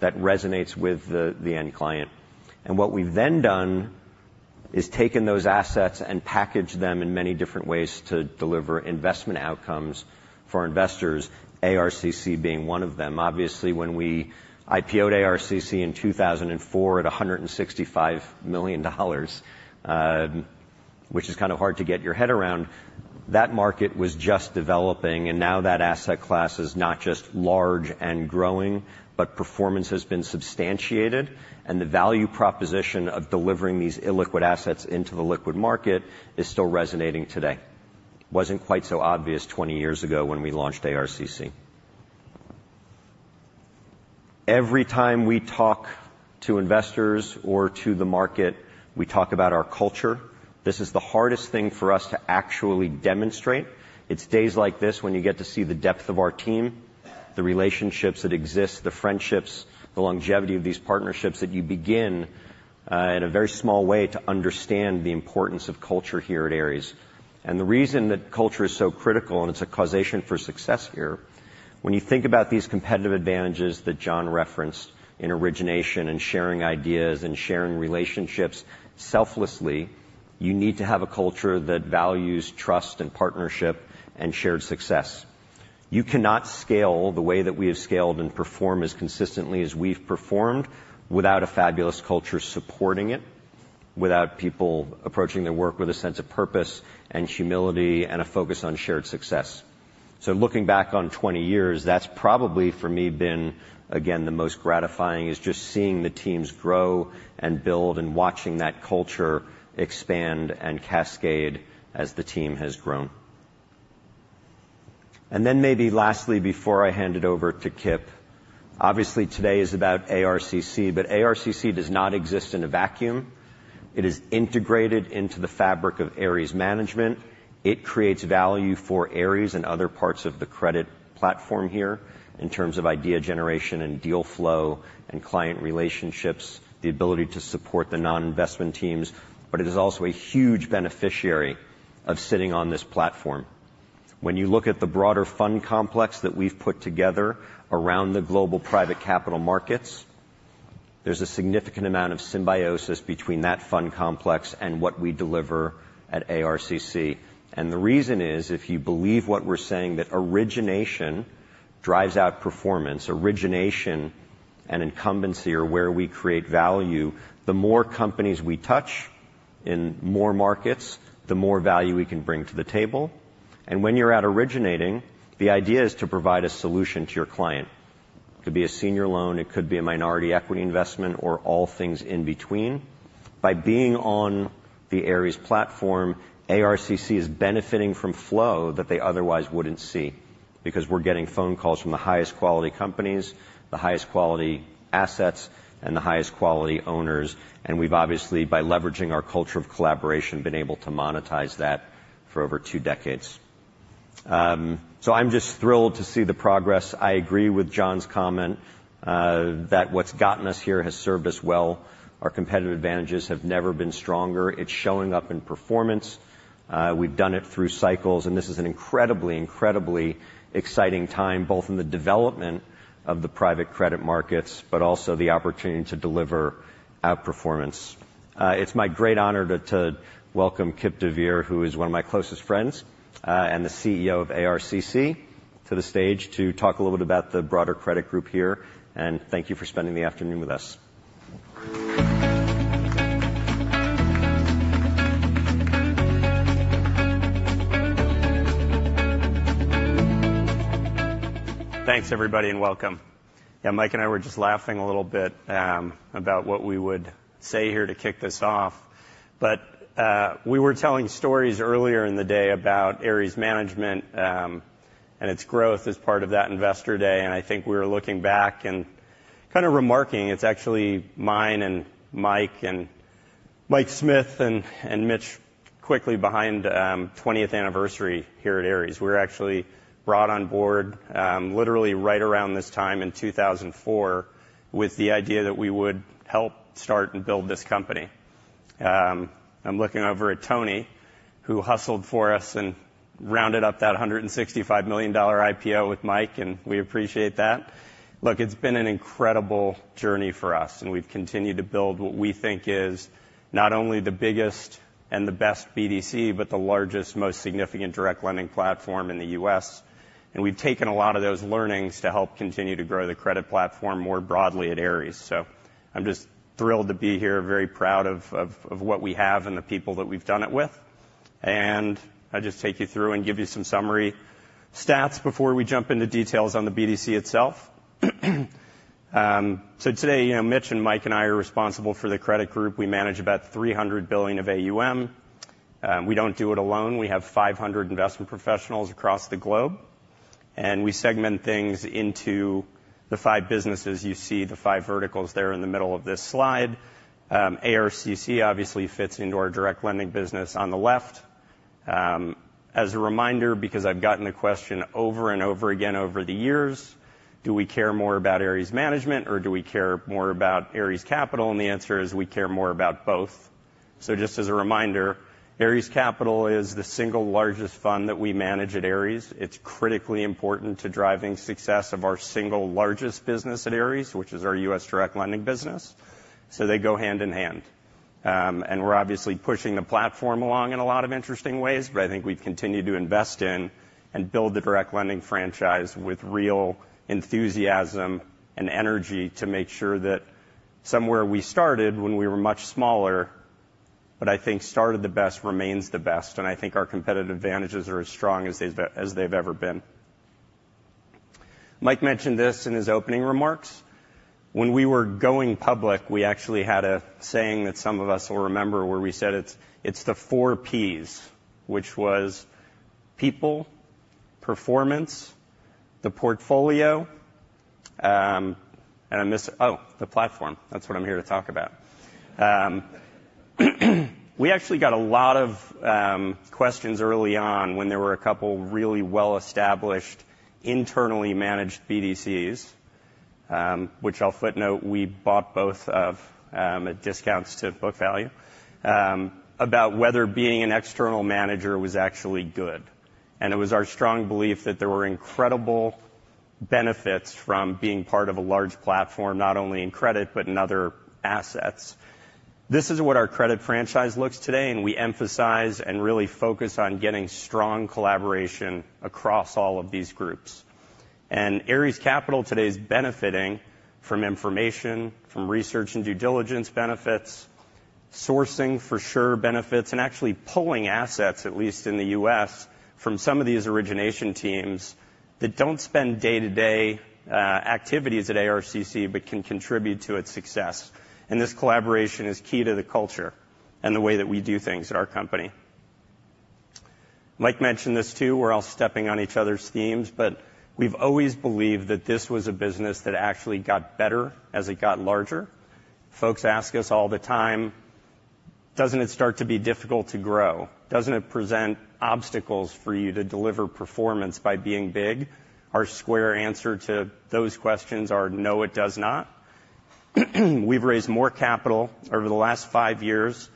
that resonates with the end client. And what we've then done is taken those assets and packaged them in many different ways to deliver investment outcomes for investors, ARCC being one of them. Obviously, when we IPO'd ARCC in 2004 at $165 million, which is kind of hard to get your head around, that market was just developing, and now that asset class is not just large and growing, but performance has been substantiated, and the value proposition of delivering these illiquid assets into the liquid market is still resonating today. Wasn't quite so obvious 20 years ago when we launched ARCC. Every time we talk to investors or to the market, we talk about our culture. This is the hardest thing for us to actually demonstrate. It's days like this when you get to see the depth of our team, the relationships that exist, the friendships, the longevity of these partnerships, that you begin in a very small way to understand the importance of culture here at Ares. And the reason that culture is so critical, and it's a causation for success here, when you think about these competitive advantages that John referenced in origination and sharing ideas and sharing relationships selflessly, you need to have a culture that values trust and partnership and shared success. You cannot scale the way that we have scaled and perform as consistently as we've performed without a fabulous culture supporting it, without people approaching their work with a sense of purpose and humility and a focus on shared success. So looking back on 20 years, that's probably, for me, been, again, the most gratifying is just seeing the teams grow and build and watching that culture expand and cascade as the team has grown. Then maybe lastly, before I hand it over to Kipp, obviously today is about ARCC, but ARCC does not exist in a vacuum. It is integrated into the fabric of Ares Management. It creates value for Ares and other parts of the credit platform here in terms of idea generation and deal flow and client relationships, the ability to support the non-investment teams, but it is also a huge beneficiary of sitting on this platform. When you look at the broader fund complex that we've put together around the global private capital markets, there's a significant amount of symbiosis between that fund complex and what we deliver at ARCC. The reason is, if you believe what we're saying, that origination drives out performance. Origination and incumbency are where we create value. The more companies we touch in more markets, the more value we can bring to the table. When you're out originating, the idea is to provide a solution to your client. It could be a senior loan, it could be a minority equity investment, or all things in between. By being on the Ares platform, ARCC is benefiting from flow that they otherwise wouldn't see because we're getting phone calls from the highest quality companies, the highest quality assets, and the highest quality owners, and we've obviously, by leveraging our culture of collaboration, been able to monetize that for over two decades. So I'm just thrilled to see the progress. I agree with John's comment, that what's gotten us here has served us well. Our competitive advantages have never been stronger. It's showing up in performance. We've done it through cycles, and this is an incredibly, incredibly exciting time, both in the development of the private credit markets, but also the opportunity to deliver outperformance. It's my great honor to welcome Kipp deVeer, who is one of my closest friends, and the CEO of ARCC, to the stage to talk a little bit about the broader credit group here, and thank you for spending the afternoon with us. Thanks, everybody, and welcome. Yeah, Mike and I were just laughing a little bit, about what we would say here to kick this off. But, we were telling stories earlier in the day about Ares Management, and its growth as part of that Investor Day, and I think we were looking back and kind of remarking, it's actually mine and Mike and Mike Smith and, and Mitch quickly behind, 20th anniversary here at Ares. We were actually brought on board, literally right around this time in 2004 with the idea that we would help start and build this company. I'm looking over at Tony, who hustled for us and rounded up that $165 million IPO with Mike, and we appreciate that. Look, it's been an incredible journey for us, and we've continued to build what we think is not only the biggest and the best BDC, but the largest, most significant direct lending platform in the U.S. And we've taken a lot of those learnings to help continue to grow the credit platform more broadly at Ares. So I'm just thrilled to be here. Very proud of what we have and the people that we've done it with. And I'll just take you through and give you some summary stats before we jump into details on the BDC itself. So today, you know, Mitch and Mike and I are responsible for the credit group. We manage about $300 billion of AUM. We don't do it alone. We have 500 investment professionals across the globe, and we segment things into the five businesses. You see the five verticals there in the middle of this slide. ARCC obviously fits into direct lending business on the left. As a reminder, because I've gotten the question over and over again over the years: Do we care more about Ares Management, or do we care more about Ares Capital? The answer is, we care more about both. Just as a reminder, Ares Capital is the single largest fund that we manage at Ares. It's critically important to driving success of our single largest business at Ares, which is our direct lending business. They go hand in hand. And we're obviously pushing the platform along in a lot of interesting ways, but I think we've continued to invest in and build direct lending franchise with real enthusiasm and energy to make sure that somewhere we started when we were much smaller, but I think started the best, remains the best, and I think our competitive advantages are as strong as they've ever been. Mike mentioned this in his opening remarks. When we were going public, we actually had a saying that some of us will remember, where we said it's the four Ps, which was people, performance, the portfolio, and oh, the platform. That's what I'm here to talk about. We actually got a lot of questions early on when there were a couple really well-established, internally managed BDCs, which I'll footnote, we bought both of at discounts to book value, about whether being an external manager was actually good. And it was our strong belief that there were incredible benefits from being part of a large platform, not only in credit, but in other assets. This is what our credit franchise looks like today, and we emphasize and really focus on getting strong collaboration across all of these groups. And Ares Capital today is benefiting from information, from research and due diligence benefits, sourcing, for sure, benefits, and actually pulling assets, at least in the U.S., from some of these origination teams that don't spend day-to-day activities at ARCC, but can contribute to its success. And this collaboration is key to the culture and the way that we do things at our company. Mike mentioned this, too. We're all stepping on each other's themes, but we've always believed that this was a business that actually got better as it got larger. Folks ask us all the time, "Doesn't it start to be difficult to grow? Doesn't it present obstacles for you to deliver performance by being big?" Our square answer to those questions are, "No, it does not." We've raised more capital over the last five years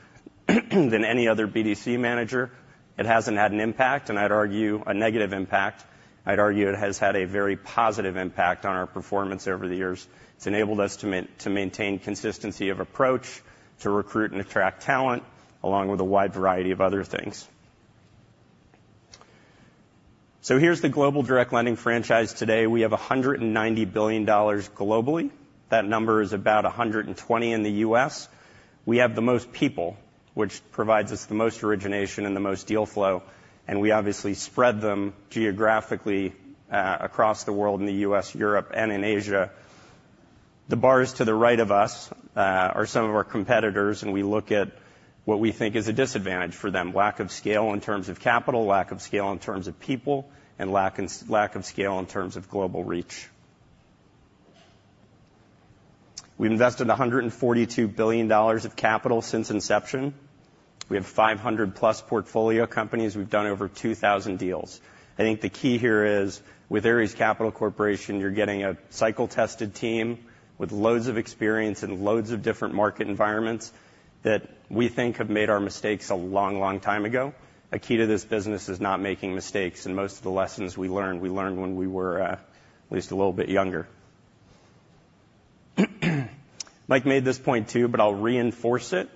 than any other BDC manager. It hasn't had an impact, and I'd argue a negative impact. I'd argue it has had a very positive impact on our performance over the years. It's enabled us to to maintain consistency of approach, to recruit and attract talent, along with a wide variety of other things. So here's the direct lending franchise today. We have $190 billion globally. That number is about $120 billion in the U.S.. We have the most people, which provides us the most origination and the most deal flow, and we obviously spread them geographically across the world in the U.S., Europe, and in Asia. The bars to the right of us are some of our competitors, and we look at what we think is a disadvantage for them, lack of scale in terms of capital, lack of scale in terms of people, and lack of scale in terms of global reach. We've invested $142 billion of capital since inception. We have 500+ portfolio companies. We've done over 2,000 deals. I think the key here is, with Ares Capital Corporation, you're getting a cycle-tested team with loads of experience in loads of different market environments that we think have made our mistakes a long, long time ago. A key to this business is not making mistakes, and most of the lessons we learned, we learned when we were at least a little bit younger. Mike made this point, too, but I'll reinforce it.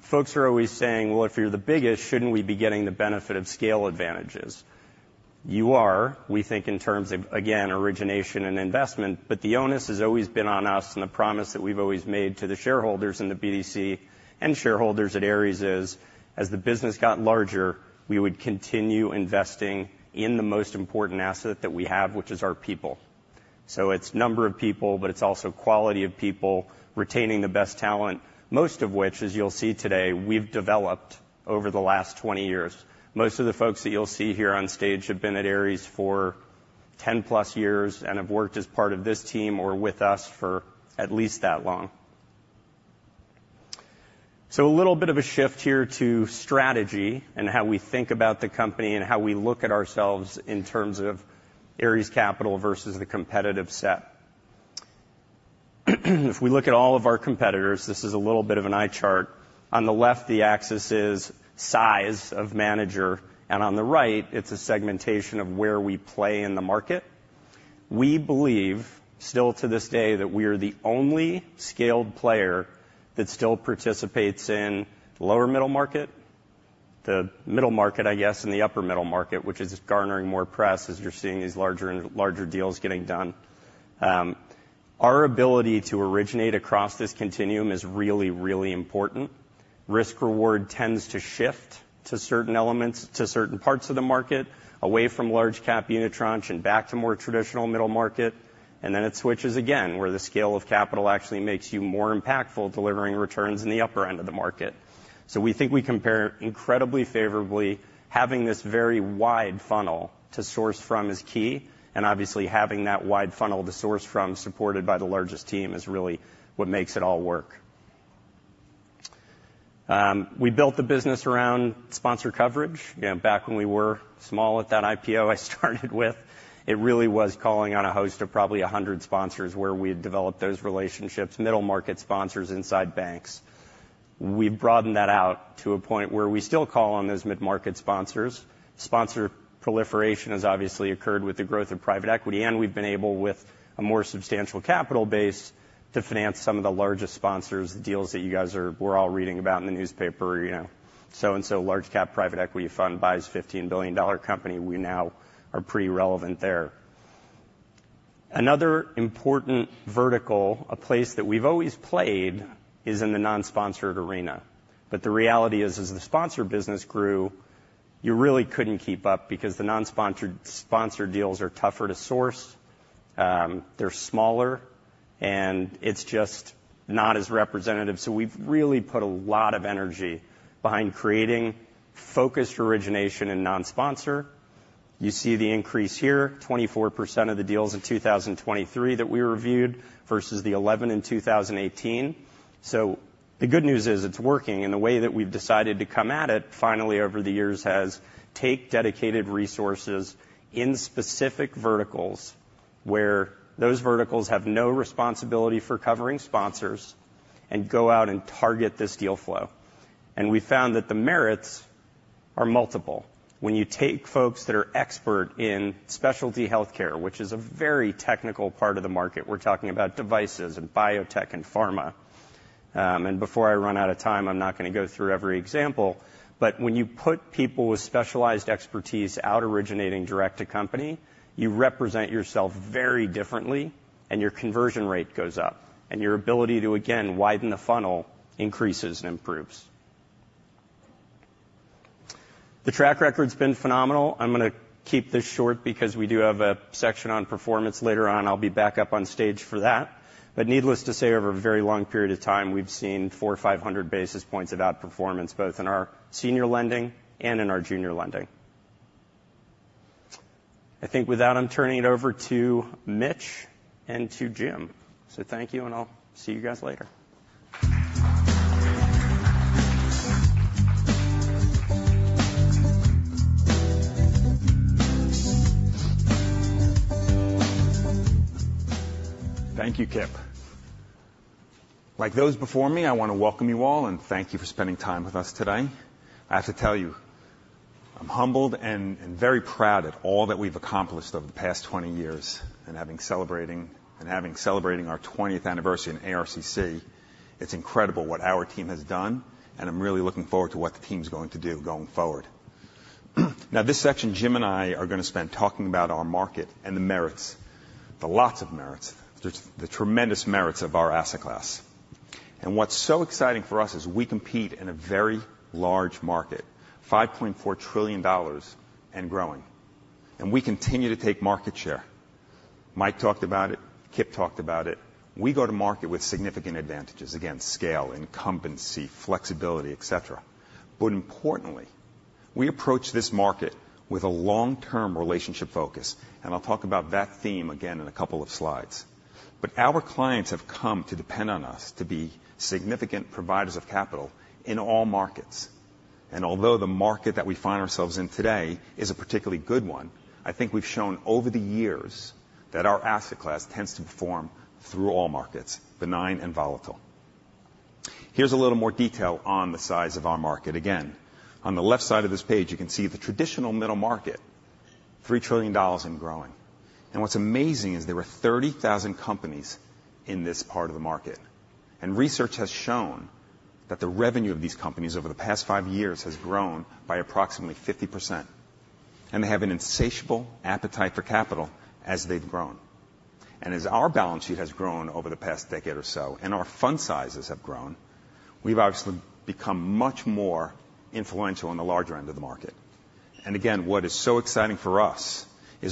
Folks are always saying, "Well, if you're the biggest, shouldn't we be getting the benefit of scale advantages?" You are, we think, in terms of, again, origination and investment, but the onus has always been on us, and the promise that we've always made to the shareholders in the BDC and shareholders at Ares is, as the business got larger, we would continue investing in the most important asset that we have, which is our people. So it's number of people, but it's also quality of people, retaining the best talent, most of which, as you'll see today, we've developed over the last 20 years. Most of the folks that you'll see here on stage have been at Ares for 10+ years and have worked as part of this team or with us for at least that long. So a little bit of a shift here to strategy and how we think about the company and how we look at ourselves in terms of Ares Capital versus the competitive set. If we look at all of our competitors, this is a little bit of an eye chart. On the left, the axis is size of manager, and on the right, it's a segmentation of where we play in the market. We believe, still to this day, that we are the only scaled player that still participates in lower middle market, the middle market, I guess, and the upper middle market, which is garnering more press as you're seeing these larger and larger deals getting done. Our ability to originate across this continuum is really, really important. Risk reward tends to shift to certain elements, to certain parts of the market, away from large cap unitranche and back to more traditional middle market. And then it switches again, where the scale of capital actually makes you more impactful, delivering returns in the upper end of the market. So we think we compare incredibly favorably. Having this very wide funnel to source from is key, and obviously, having that wide funnel to source from, supported by the largest team, is really what makes it all work. We built the business around sponsor coverage. You know, back when we were small at that IPO I started with, it really was calling on a host of probably 100 sponsors where we had developed those relationships, middle-market sponsors inside banks. We've broadened that out to a point where we still call on those mid-market sponsors. Sponsor proliferation has obviously occurred with the growth of private equity, and we've been able, with a more substantial capital base, to finance some of the largest sponsors, the deals that you guys are, we're all reading about in the newspaper. You know, so and so large cap private equity fund buys $15 billion company. We now are pretty relevant there. Another important vertical, a place that we've always played, is in the non-sponsored arena. But the reality is, as the sponsor business grew, you really couldn't keep up because the non-sponsored, sponsored deals are tougher to source, they're smaller, and it's just not as representative. So we've really put a lot of energy behind creating focused origination and non-sponsor. You see the increase here, 24% of the deals in 2023 that we reviewed, versus the 11% in 2018. So the good news is it's working, and the way that we've decided to come at it, finally, over the years, has take dedicated resources in specific verticals, where those verticals have no responsibility for covering sponsors, and go out and target this deal flow. And we found that the merits are multiple. When you take folks that are expert in specialty healthcare, which is a very technical part of the market, we're talking about devices and biotech and pharma. And before I run out of time, I'm not gonna go through every example, but when you put people with specialized expertise out originating direct to company, you represent yourself very differently and your conversion rate goes up, and your ability to, again, widen the funnel, increases and improves. The track record's been phenomenal. I'm gonna keep this short because we do have a section on performance later on. I'll be back up on stage for that. But needless to say, over a very long period of time, we've seen 400 or 500 basis points of outperformance, both in our senior lending and in our junior lending. I think with that, I'm turning it over to Mitch and to Jim. So thank you, and I'll see you guys later. Thank you, Kipp. Like those before me, I want to welcome you all, and thank you for spending time with us today. I have to tell you, I'm humbled and very proud of all that we've accomplished over the past 20 years, and having celebrated our 20th anniversary in ARCC. It's incredible what our team has done, and I'm really looking forward to what the team's going to do going forward. Now, this section, Jim and I are gonna spend talking about our market and the merits, lots of merits, the tremendous merits of our asset class. What's so exciting for us is we compete in a very large market, $5.4 trillion and growing, and we continue to take market share. Mike talked about it, Kipp talked about it. We go to market with significant advantages. Again, scale, incumbency, flexibility, et cetera. But importantly, we approach this market with a long-term relationship focus, and I'll talk about that theme again in a couple of slides. But our clients have come to depend on us to be significant providers of capital in all markets. And although the market that we find ourselves in today is a particularly good one, I think we've shown over the years that our asset class tends to perform through all markets, benign and volatile. Here's a little more detail on the size of our market. Again, on the left side of this page, you can see the traditional middle market, $3 trillion and growing. What's amazing is there are 30,000 companies in this part of the market, and research has shown that the revenue of these companies over the past 5 years has grown by approximately 50%, and they have an insatiable appetite for capital as they've grown. As our balance sheet has grown over the past decade or so, and our fund sizes have grown, we've obviously become much more influential in the larger end of the market. Again, what is so exciting for us is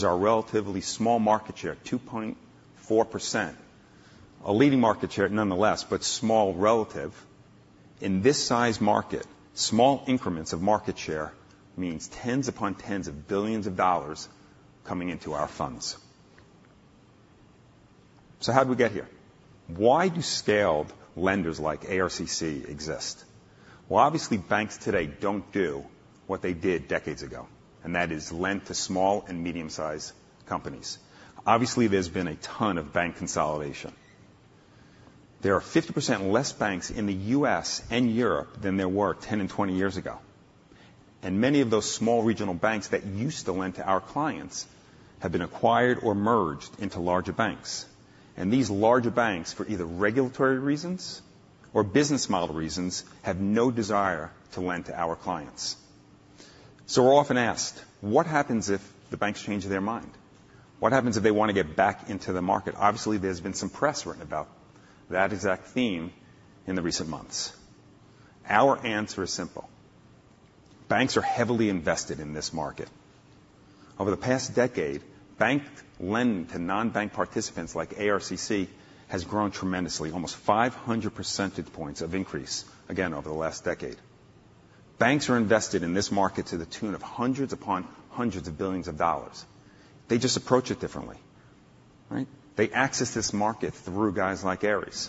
our relatively small market share, 2.4%. A leading market share, nonetheless, but small relative. In this size market, small increments of market share means tens upon tens of $ billions coming into our funds. How'd we get here? Why do scaled lenders like ARCC exist? Well, obviously, banks today don't do what they did decades ago, and that is lend to small and medium-sized companies. Obviously, there's been a ton of bank consolidation. There are 50% less banks in the U.S. and Europe than there were 10 and 20 years ago, and many of those small regional banks that used to lend to our clients have been acquired or merged into larger banks. And these larger banks, for either regulatory reasons or business model reasons, have no desire to lend to our clients. So we're often asked, "What happens if the banks change their mind? What happens if they want to get back into the market?" Obviously, there's been some press written about that exact theme in the recent months. Our answer is simple: Banks are heavily invested in this market. Over the past decade, bank lending to non-bank participants like ARCC has grown tremendously, almost 500 percentage points of increase, again, over the last decade. Banks are invested in this market to the tune of hundreds upon hundreds of $billions. They just approach it differently, right? They access this market through guys like Ares.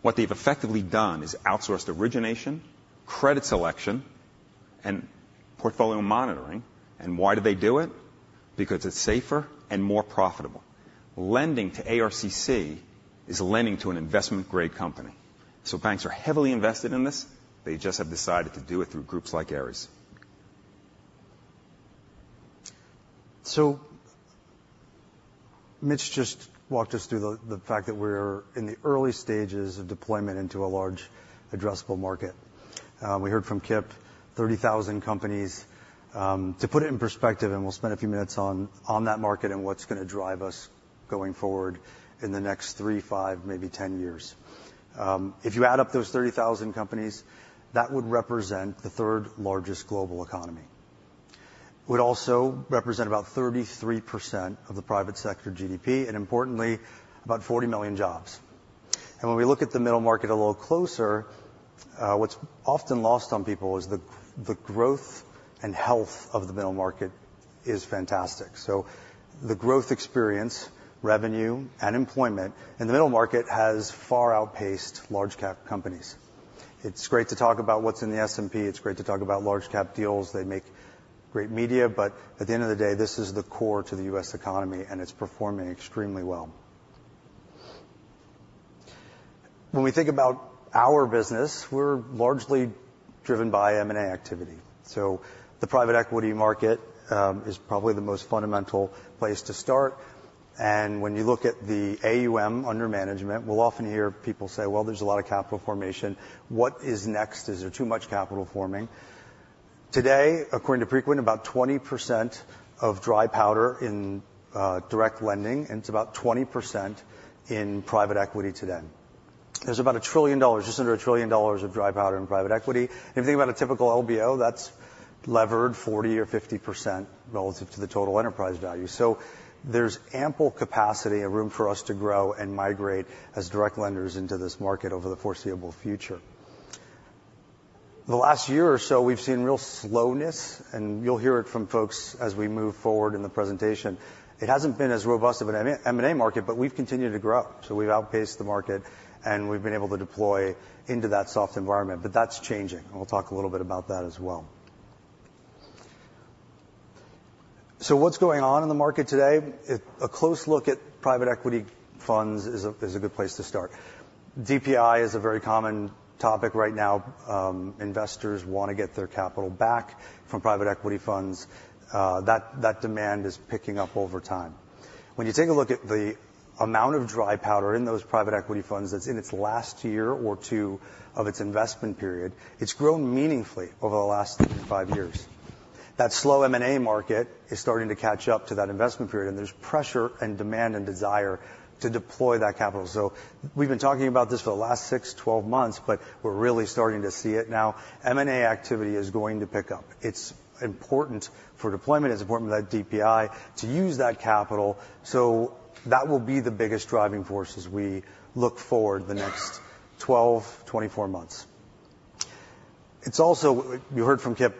What they've effectively done is outsourced origination, credit selection, and portfolio monitoring. And why do they do it? Because it's safer and more profitable. Lending to ARCC is lending to an investment-grade company. So banks are heavily invested in this. They just have decided to do it through groups like Ares. So Mitch just walked us through the fact that we're in the early stages of deployment into a large addressable market. We heard from Kipp, 30,000 companies. To put it in perspective, and we'll spend a few minutes on that market and what's gonna drive us going forward in the next 3, 5, maybe 10 years. If you add up those 30,000 companies, that would represent the third largest global economy. It would also represent about 33% of the private sector GDP, and importantly, about 40 million jobs. When we look at the middle market a little closer, what's often lost on people is the growth and health of the middle market is fantastic. So the growth experience, revenue, and employment in the middle market has far outpaced large cap companies. It's great to talk about what's in the S&P. It's great to talk about large cap deals. They make great media, but at the end of the day, this is the core to the U.S. economy, and it's performing extremely well. When we think about our business, we're largely driven by M&A activity. So private equity market is probably the most fundamental place to start. And when you look at the AUM under management, we'll often hear people say, "Well, there's a lot of capital formation. What is next? Is there too much capital forming?" Today, according to Preqin, about 20% of dry powder direct lending, and it's about 20% private equity today. There's about $1 trillion, just under $1 trillion of dry powder in private equity. If you think about a typical LBO, that's levered 40% or 50% relative to the total enterprise value. So there's ample capacity and room for us to grow and migrate as direct lenders into this market over the foreseeable future. The last year or so, we've seen real slowness, and you'll hear it from folks as we move forward in the presentation. It hasn't been as robust of an M&A market, but we've continued to grow. So we've outpaced the market, and we've been able to deploy into that soft environment, but that's changing, and we'll talk a little bit about that as well. So what's going on in the market today? A close look private equity funds is a good place to start. DPI is a very common topic right now. Investors want to get their capital back private equity funds. That demand is picking up over time. When you take a look at the amount of dry powder in private equity funds that's in its last year or two of its investment period, it's grown meaningfully over the last 3-5 years. That slow M&A market is starting to catch up to that investment period, and there's pressure and demand and desire to deploy that capital. So we've been talking about this for the last six, 12 months, but we're really starting to see it now. M&A activity is going to pick up. It's important for deployment, it's important for that DPI to use that capital, so that will be the biggest driving force as we look forward the next 12, 24 months. It's also. You heard from Kipp,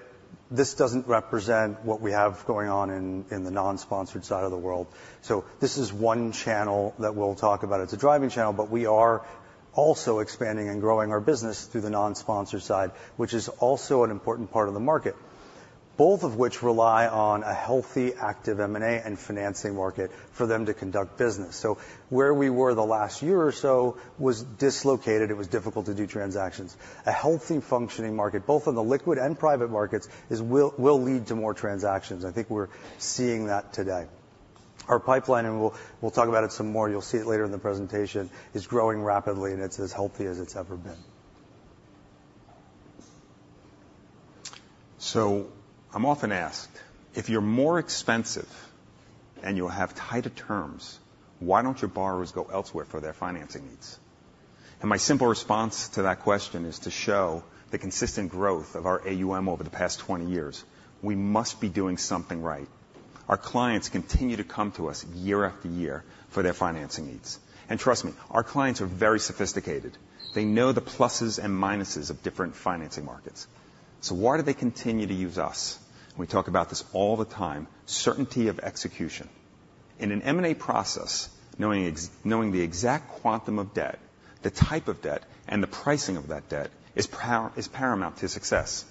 this doesn't represent what we have going on in the non-sponsored side of the world. So this is one channel that we'll talk about. It's a driving channel, but we are also expanding and growing our business through the non-sponsor side, which is also an important part of the market, both of which rely on a healthy, active M&A and financing market for them to conduct business. So where we were the last year or so was dislocated. It was difficult to do transactions. A healthy, functioning market, both in the liquid and private markets, is, will lead to more transactions. I think we're seeing that today. Our pipeline, and we'll talk about it some more, you'll see it later in the presentation, is growing rapidly, and it's as healthy as it's ever been. So I'm often asked, "If you're more expensive and you have tighter terms, why don't your borrowers go elsewhere for their financing needs?" My simple response to that question is to show the consistent growth of our AUM over the past 20 years. We must be doing something right. Our clients continue to come to us year after year for their financing needs. And trust me, our clients are very sophisticated. They know the pluses and minuses of different financing markets. So why do they continue to use us? We talk about this all the time, certainty of execution. In an M&A process, knowing the exact quantum of debt, the type of debt, and the pricing of that debt is paramount to success.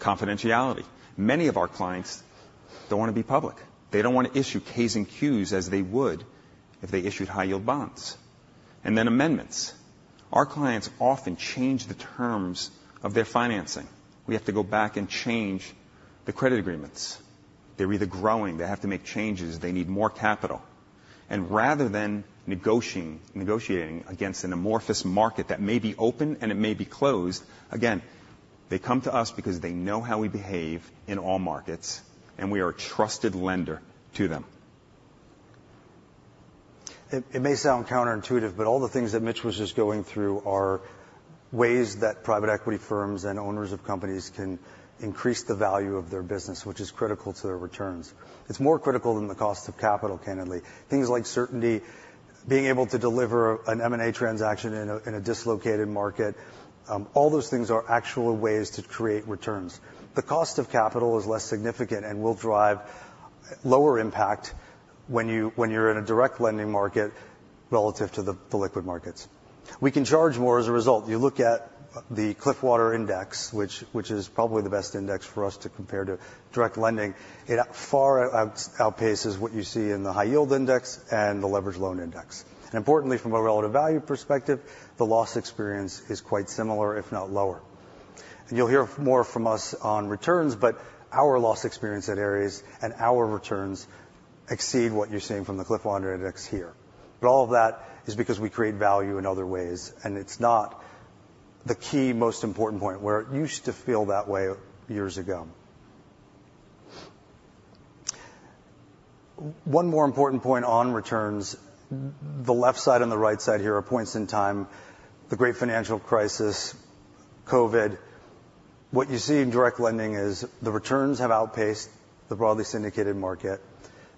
Confidentiality. Many of our clients don't want to be public. They don't want to issue K's and Q's as they would if they issued high-yield bonds. And then amendments. Our clients often change the terms of their financing. We have to go back and change the credit agreements. They're either growing, they have to make changes, they need more capital. And rather than negotiating, negotiating against an amorphous market that may be open and it may be closed, again, they come to us because they know how we behave in all markets, and we are a trusted lender to them. It may sound counterintuitive, but all the things that Mitch was just going through are ways private equity firms and owners of companies can increase the value of their business, which is critical to their returns. It's more critical than the cost of capital, candidly. Things like being able to deliver an M&A transaction in a dislocated market, all those things are actual ways to create returns. The cost of capital is less significant and will drive lower impact when you're in direct lending market relative to the liquid markets. We can charge more as a result. You look at the Cliffwater Index, which is probably the best index for us to compare direct lending. It far outpaces what you see in the high yield index and the leveraged loan index. Importantly, from a relative value perspective, the loss experience is quite similar, if not lower. You'll hear more from us on returns, but our loss experience at Ares and our returns exceed what you're seeing from the Cliffwater Index here. All of that is because we create value in other ways, and it's not the key, most important point, where it used to feel that way years ago. One more important point on returns. The left side and the right side here are points in time, the Great Financial Crisis, COVID. What you see direct lending is the returns have outpaced the broadly syndicated market.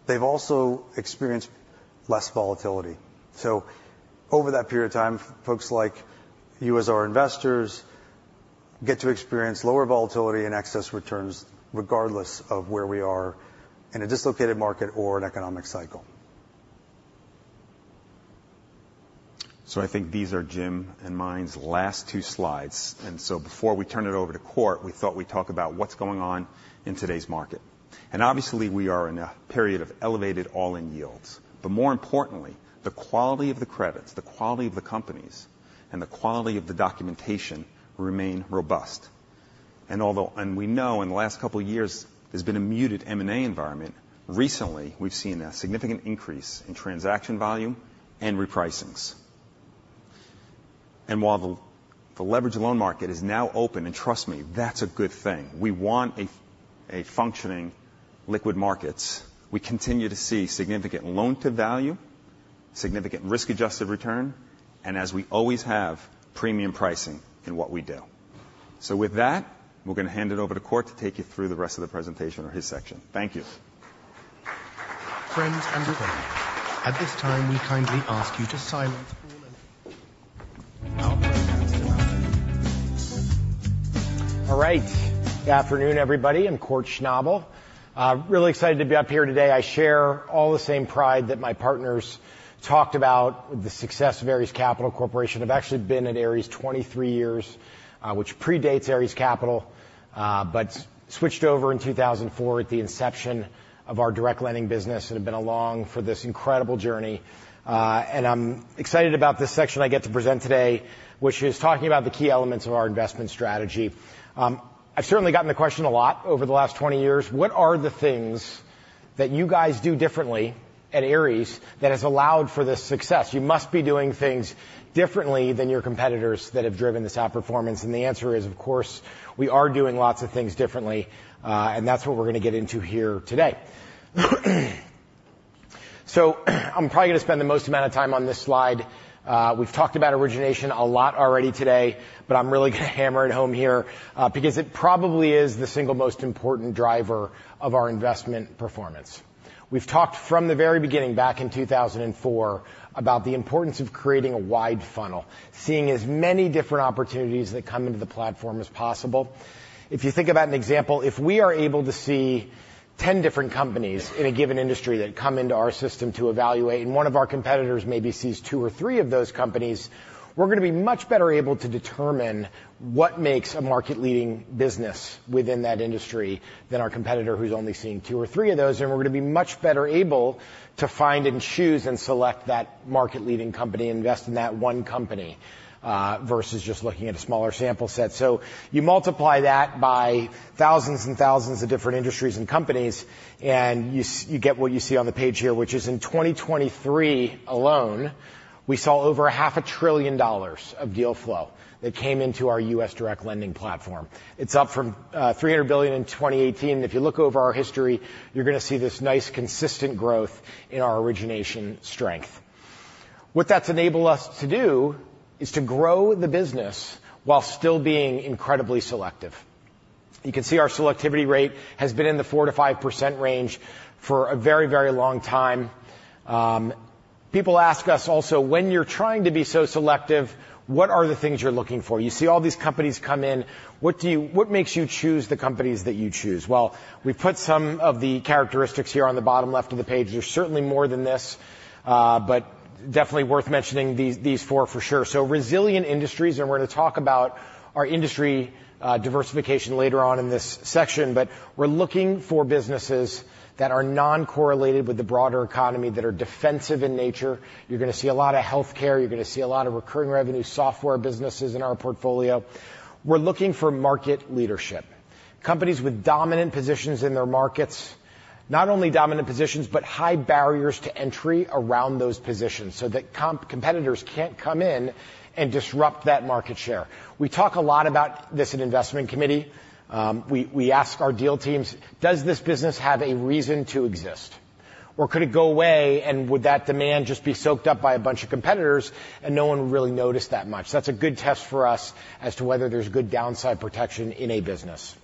They've also experienced less volatility. Over that period of time, folks like you as our investors, get to experience lower volatility and excess returns regardless of where we are in a dislocated market or an economic cycle. So I think these are Jim and mine's last two slides. And so before we turn it over to Kort, we thought we'd talk about what's going on in today's market. And obviously, we are in a period of elevated all-in yields, but more importantly, the quality of the credits, the quality of the companies, and the quality of the documentation remain robust. And although we know in the last couple of years, there's been a muted M&A environment, recently, we've seen a significant increase in transaction volume and repricings. And while the leveraged loan market is now open, and trust me, that's a good thing, we want a functioning liquid markets. We continue to see significant loan-to-value, significant risk-adjusted return, and as we always have, premium pricing in what we do. With that, we're going to hand it over to Kort to take you through the rest of the presentation or his section. Thank you. Friends and colleagues, at this time, we kindly ask you to silence all and- All right. Good afternoon, everybody. I'm Kort Schnabel. Really excited to be up here today. I share all the same pride that my partners talked about, the success of Ares Capital Corporation. I've actually been at Ares 23 years, which predates Ares Capital, but switched over in 2004 at the inception of direct lending business, and have been along for this incredible journey. I'm excited about this section I get to present today, which is talking about the key elements of our investment strategy. I've certainly gotten the question a lot over the last 20 years: What are the things that you guys do differently at Ares that has allowed for this success? You must be doing things differently than your competitors that have driven this outperformance. The answer is, of course, we are doing lots of things differently, and that's what we're going to get into here today. So I'm probably going to spend the most amount of time on this slide. We've talked about origination a lot already today, but I'm really going to hammer it home here, because it probably is the single most important driver of our investment performance. We've talked from the very beginning, back in 2004, about the importance of creating a wide funnel, seeing as many different opportunities that come into the platform as possible. If you think about an example, if we are able to see 10 different companies in a given industry that come into our system to evaluate, and one of our competitors maybe sees 2 or 3 of those companies, we're going to be much better able to determine what makes a market-leading business within that industry than our competitor who's only seeing 2 or 3 of those. And we're going to be much better able to find and choose and select that market-leading company and invest in that one company versus just looking at a smaller sample set. So you multiply that by thousands and thousands of different industries and companies, and you get what you see on the page here, which is in 2023 alone, we saw over $0.5 trillion of deal flow that came into our direct lending platform. It's up from $300 billion in 2018. If you look over our history, you're going to see this nice, consistent growth in our origination strength. What that's enabled us to do is to grow the business while still being incredibly selective. You can see our selectivity rate has been in the 4%-5% range for a very, very long time. People ask us also, "When you're trying to be so selective, what are the things you're looking for? You see all these companies come in. What do you-- what makes you choose the companies that you choose?" Well, we've put some of the characteristics here on the bottom left of the page. There's certainly more than this, but definitely worth mentioning these, these four for sure. So resilient industries, and we're going to talk about our industry diversification later on in this section, but we're looking for businesses that are non-correlated with the broader economy, that are defensive in nature. You're gonna see a lot of healthcare. You're gonna see a lot of recurring revenue, software businesses in our portfolio. We're looking for market leadership, companies with dominant positions in their markets. Not only dominant positions, but high barriers to entry around those positions so that competitors can't come in and disrupt that market share. We talk a lot about this in investment committee. We ask our deal teams, "Does this business have a reason to exist, or could it go away, and would that demand just be soaked up by a bunch of competitors, and no one would really notice that much?" That's a good test for us as to whether there's good downside protection in a business.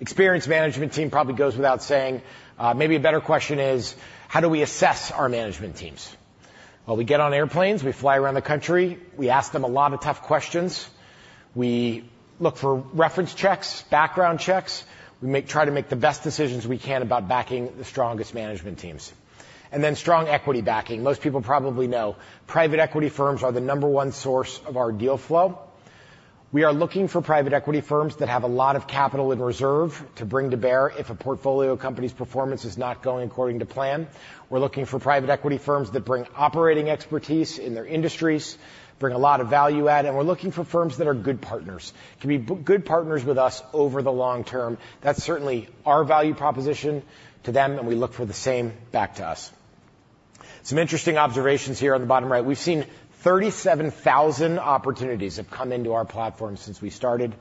Experienced management team probably goes without saying. Maybe a better question is: how do we assess our management teams? Well, we get on airplanes, we fly around the country, we ask them a lot of tough questions. We look for reference checks, background checks. We try to make the best decisions we can about backing the strongest management teams. And then strong equity backing. Most people probably private equity firms are the number one source of our deal flow. We are looking private equity firms that have a lot of capital in reserve to bring to bear if a portfolio company's performance is not going according to plan. We're looking private equity firms that bring operating expertise in their industries, bring a lot of value add, and we're looking for firms that are good partners. Can be good partners with us over the long term. That's certainly our value proposition to them, and we look for the same back to us. Some interesting observations here on the bottom right. We've seen 37,000 opportunities have come into our platform since we started.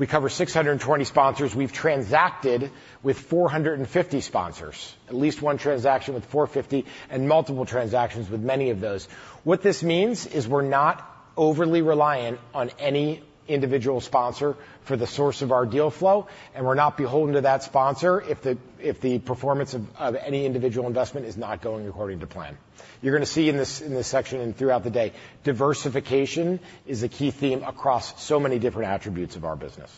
We cover 620 sponsors. We've transacted with 450 sponsors, at least one transaction with 450, and multiple transactions with many of those. What this means is we're not overly reliant on any individual sponsor for the source of our deal flow, and we're not beholden to that sponsor if the performance of any individual investment is not going according to plan. You're gonna see in this section and throughout the day, diversification is a key theme across so many different attributes of our business.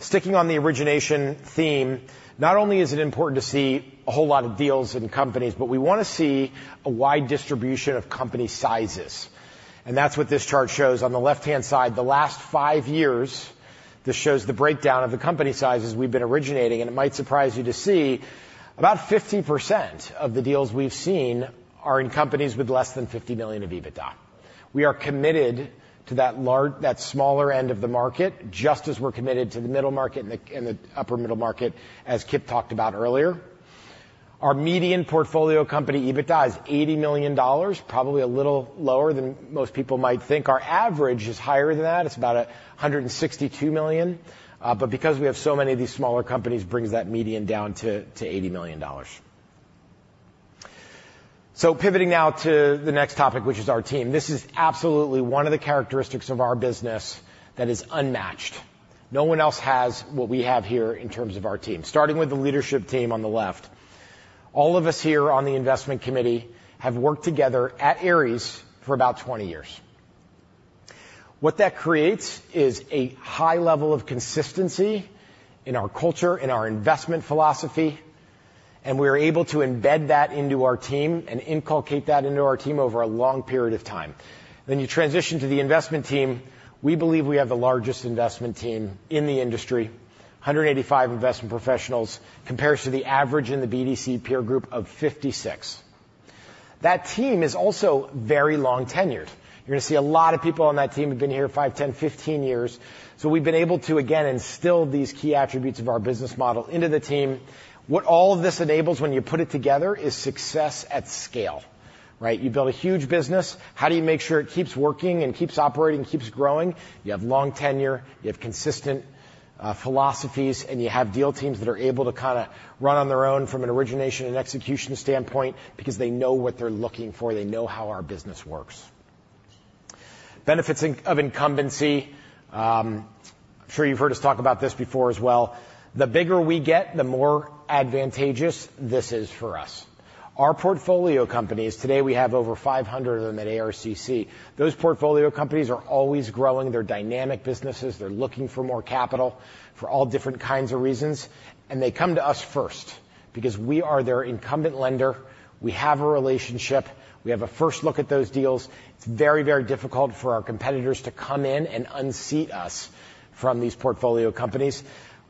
Sticking on the origination theme, not only is it important to see a whole lot of deals and companies, but we wanna see a wide distribution of company sizes, and that's what this chart shows. On the left-hand side, the last five years, this shows the breakdown of the company sizes we've been originating, and it might surprise you to see about 50% of the deals we've seen are in companies with less than $50 million of EBITDA. We are committed to that smaller end of the market, just as we're committed to the middle market and the upper middle market, as Kipp talked about earlier. Our median portfolio company EBITDA is $80 million, probably a little lower than most people might think. Our average is higher than that. It's about $162 million, but because we have so many of these smaller companies, brings that median down to $80 million. So pivoting now to the next topic, which is our team. This is absolutely one of the characteristics of our business that is unmatched. No one else has what we have here in terms of our team, starting with the leadership team on the left. All of us here on the investment committee have worked together at Ares for about 20 years. What that creates is a high level of consistency in our culture, in our investment philosophy, and we are able to embed that into our team and inculcate that into our team over a long period of time. Then you transition to the investment team. We believe we have the largest investment team in the industry. 185 investment professionals, compares to the average in the BDC peer group of 56. That team is also very long-tenured. You're gonna see a lot of people on that team have been here 5, 10, 15 years, so we've been able to, again, instill these key attributes of our business model into the team. What all of this enables, when you put it together, is success at scale, right? You build a huge business. How do you make sure it keeps working and keeps operating, keeps growing? You have long tenure, you have consistent philosophies, and you have deal teams that are able to kinda run on their own from an origination and execution standpoint because they know what they're looking for. They know how our business works. Benefits of incumbency. I'm sure you've heard us talk about this before as well. The bigger we get, the more advantageous this is for us. Our portfolio companies, today, we have over 500 of them at ARCC. Those portfolio companies are always growing. They're dynamic businesses. They're looking for more capital for all different kinds of reasons, and they come to us first because we are their incumbent lender. We have a relationship. We have a first look at those deals. It's very, very difficult for our competitors to come in and unseat us from these portfolio companies.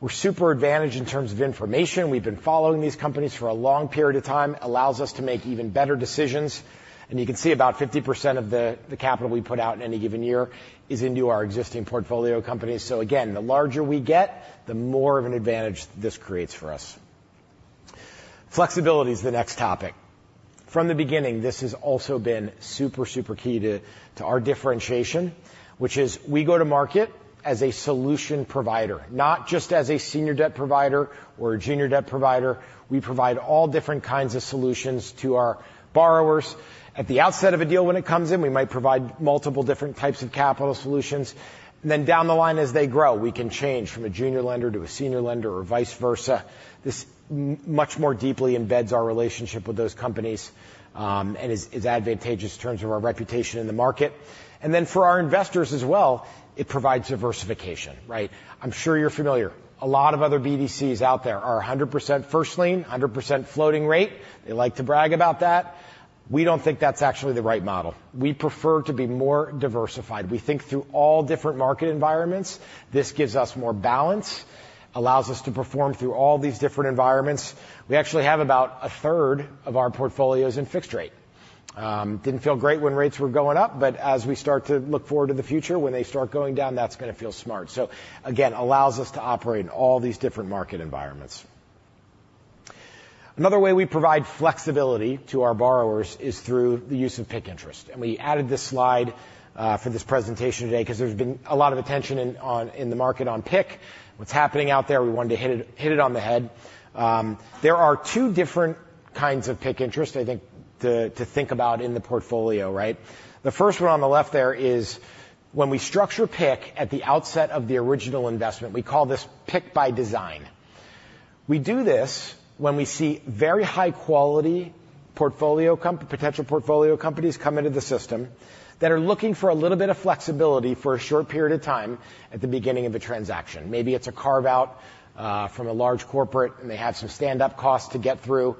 We're super advantaged in terms of information. We've been following these companies for a long period of time, allows us to make even better decisions, and you can see about 50% of the capital we put out in any given year is into our existing portfolio companies. So again, the larger we get, the more of an advantage this creates for us. Flexibility is the next topic. From the beginning, this has also been super, super key to our differentiation, which is we go to market as a solution provider, not just as a senior debt provider or a junior debt provider. We provide all different kinds of solutions to our borrowers. At the outset of a deal, when it comes in, we might provide multiple different types of capital solutions. Then down the line, as they grow, we can change from a junior lender to a senior lender or vice versa. This much more deeply embeds our relationship with those companies, and is advantageous in terms of our reputation in the market. And then for our investors as well, it provides diversification, right? I'm sure you're familiar. A lot of other BDCs out there are 100% first lien, 100% floating rate. They like to brag about that. We don't think that's actually the right model. We prefer to be more diversified. We think through all different market environments. This gives us more balance, allows us to perform through all these different environments. We actually have about a third of our portfolios in fixed rate. Didn't feel great when rates were going up, but as we start to look forward to the future, when they start going down, that's gonna feel smart. So again, allows us to operate in all these different market environments. Another way we provide flexibility to our borrowers is through the use of PIK interest, and we added this slide for this presentation today because there's been a lot of attention in the market on PIK. What's happening out there, we wanted to hit it on the head. There are two different kinds of PIK interest, I think, to think about in the portfolio, right? The first one on the left there is when we structure PIK at the outset of the original investment, we call this PIK by design. We do this when we see very high-quality portfolio potential portfolio companies come into the system that are looking for a little bit of flexibility for a short period of time at the beginning of a transaction. Maybe it's a carve-out from a large corporate, and they have some stand-up costs to get through.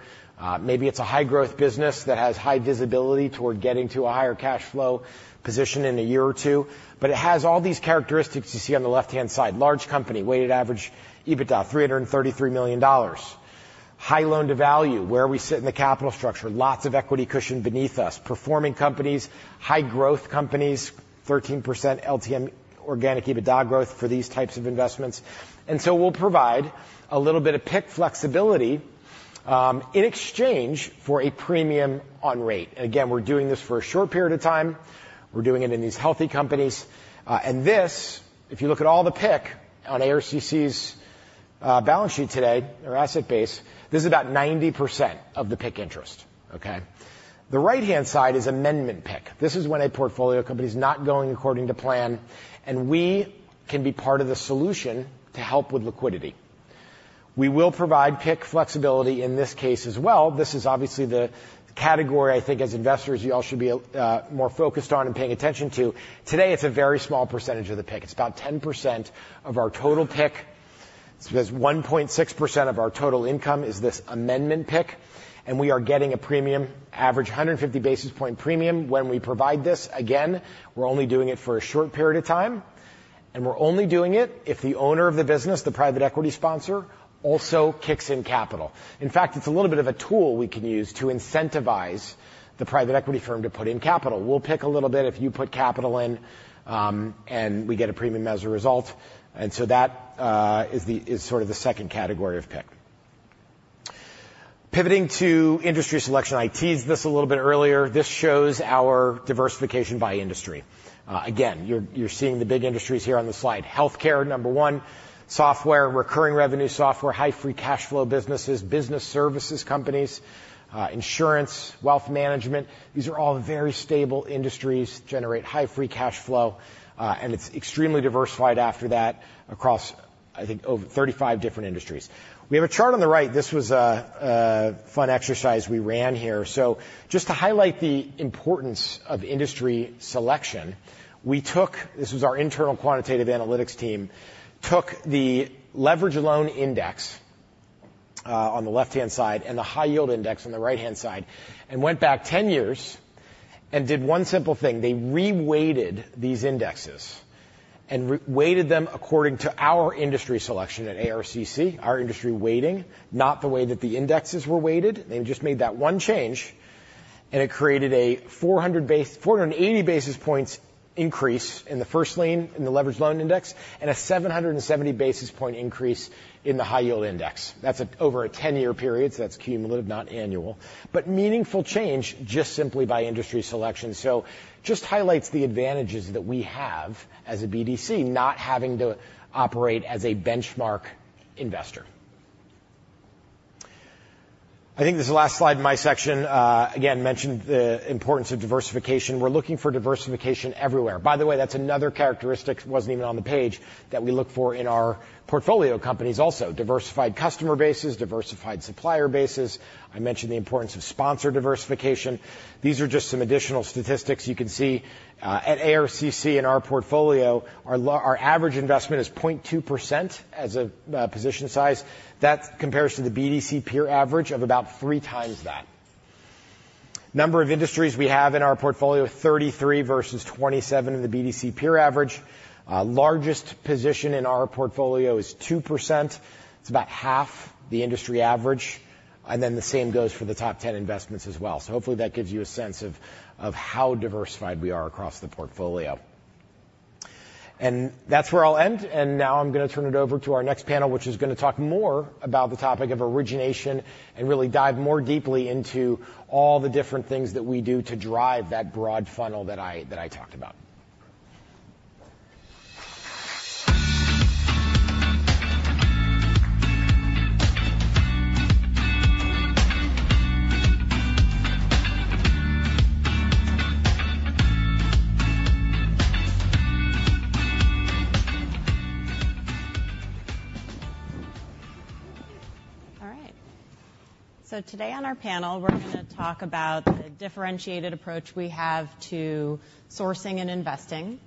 Maybe it's a high-growth business that has high visibility toward getting to a higher cash flow position in a year or two. But it has all these characteristics you see on the left-hand side. Large company, weighted average EBITDA, $333 million. High loan-to-value, where we sit in the capital structure, lots of equity cushion beneath us. Performing companies, high-growth companies, 13% LTM organic EBITDA growth for these types of investments. And so we'll provide a little bit of PIK flexibility in exchange for a premium on rate. Again, we're doing this for a short period of time. We're doing it in these healthy companies. And this, if you look at all the PIK on ARCC's balance sheet today, or asset base, this is about 90% of the PIK interest, okay? The right-hand side is amendment PIK. This is when a portfolio company is not going according to plan, and we can be part of the solution to help with liquidity. We will provide PIK flexibility in this case as well. This is obviously the category, I think, as investors, you all should be more focused on and paying attention to. Today, it's a very small percentage of the PIK. It's about 10% of our total PIK. So there's 1.6% of our total income is this amendment PIK, and we are getting a premium, average 150 basis point premium when we provide this. Again, we're only doing it for a short period of time, and we're only doing it if the owner of the business, private equity sponsor, also kicks in capital. In fact, it's a little bit of a tool we can use to incentivize private equity firm to put in capital. We'll PIK a little bit if you put capital in, and we get a premium as a result. And so that is sort of the second category of PIK. Pivoting to industry selection. I teased this a little bit earlier. This shows our diversification by industry. Again, you're seeing the big industries here on the slide. Healthcare, number one, software, recurring revenue software, high free cash flow businesses, business services companies, insurance, wealth management. These are all very stable industries, generate high free cash flow, and it's extremely diversified after that across, I think, over 35 different industries. We have a chart on the right. This was a fun exercise we ran here. So just to highlight the importance of industry selection, we took. This was our internal quantitative analytics team, took the leveraged loan index on the left-hand side and the high yield index on the right-hand side, and went back 10 years and did one simple thing. They reweighted these indexes and reweighted them according to our industry selection at ARCC, our industry weighting, not the way that the indexes were weighted. They just made that one change, and it created a 480 basis points increase in the first lien in the leveraged loan index, and a 770 basis point increase in the high yield index. That's over a 10-year period, so that's cumulative, not annual, but meaningful change just simply by industry selection. So just highlights the advantages that we have as a BDC, not having to operate as a benchmark investor. I think this is the last slide in my section. Again, mentioned the importance of diversification. We're looking for diversification everywhere. By the way, that's another characteristic, wasn't even on the page, that we look for in our portfolio companies also. Diversified customer bases, diversified supplier bases. I mentioned the importance of sponsor diversification. These are just some additional statistics you can see at ARCC in our portfolio, our average investment is 0.2% as a position size. That compares to the BDC peer average of about three times that. Number of industries we have in our portfolio, 33 versus 27 in the BDC peer average. Largest position in our portfolio is 2%. It's about half the industry average, and then the same goes for the top 10 investments as well. So hopefully, that gives you a sense of, of how diversified we are across the portfolio. That's where I'll end, and now I'm going to turn it over to our next panel, which is going to talk more about the topic of origination and really dive more deeply into all the different things that we do to drive that broad funnel that I, that I talked about. All right. So today on our panel, we're gonna talk about the differentiated approach we have to sourcing and investing.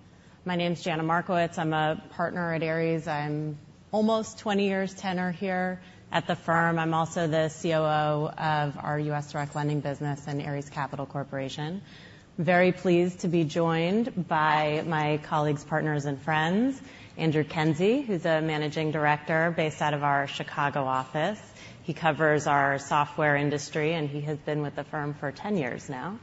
My name is Jana Markowicz. I'm a partner at Ares. I'm almost 20 years tenure here at the firm. I'm also the COO of U.S. Direct Lending business in Ares Capital Corporation. Very pleased to be joined by my colleagues, partners, and friends, Andrew Kenzie, who's a managing director based out of our Chicago office. He covers our software industry, and he has been with the firm for 10 years now.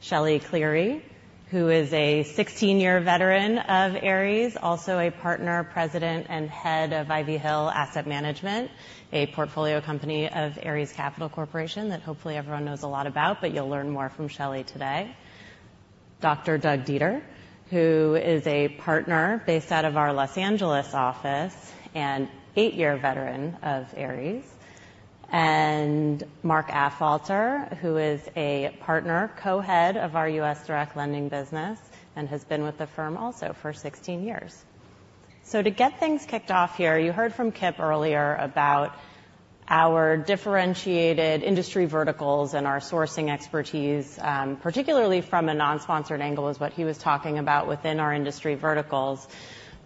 Shelley Cleary, who is a 16-year veteran of Ares, also a partner, president, and head of Ivy Hill Asset Management, a portfolio company of Ares Capital Corporation that hopefully everyone knows a lot about, but you'll learn more from Shelley today. Dr. Doug Deeter, who is a partner based out of our Los Angeles office and 8-year veteran of Ares, and Mark Affolter, who is a Partner, Co-Head of our direct lending business, and has been with the firm also for 16 years. So to get things kicked off here, you heard from Kipp earlier about our differentiated industry verticals and our sourcing expertise, particularly from a non-sponsored angle, is what he was talking about within our industry verticals.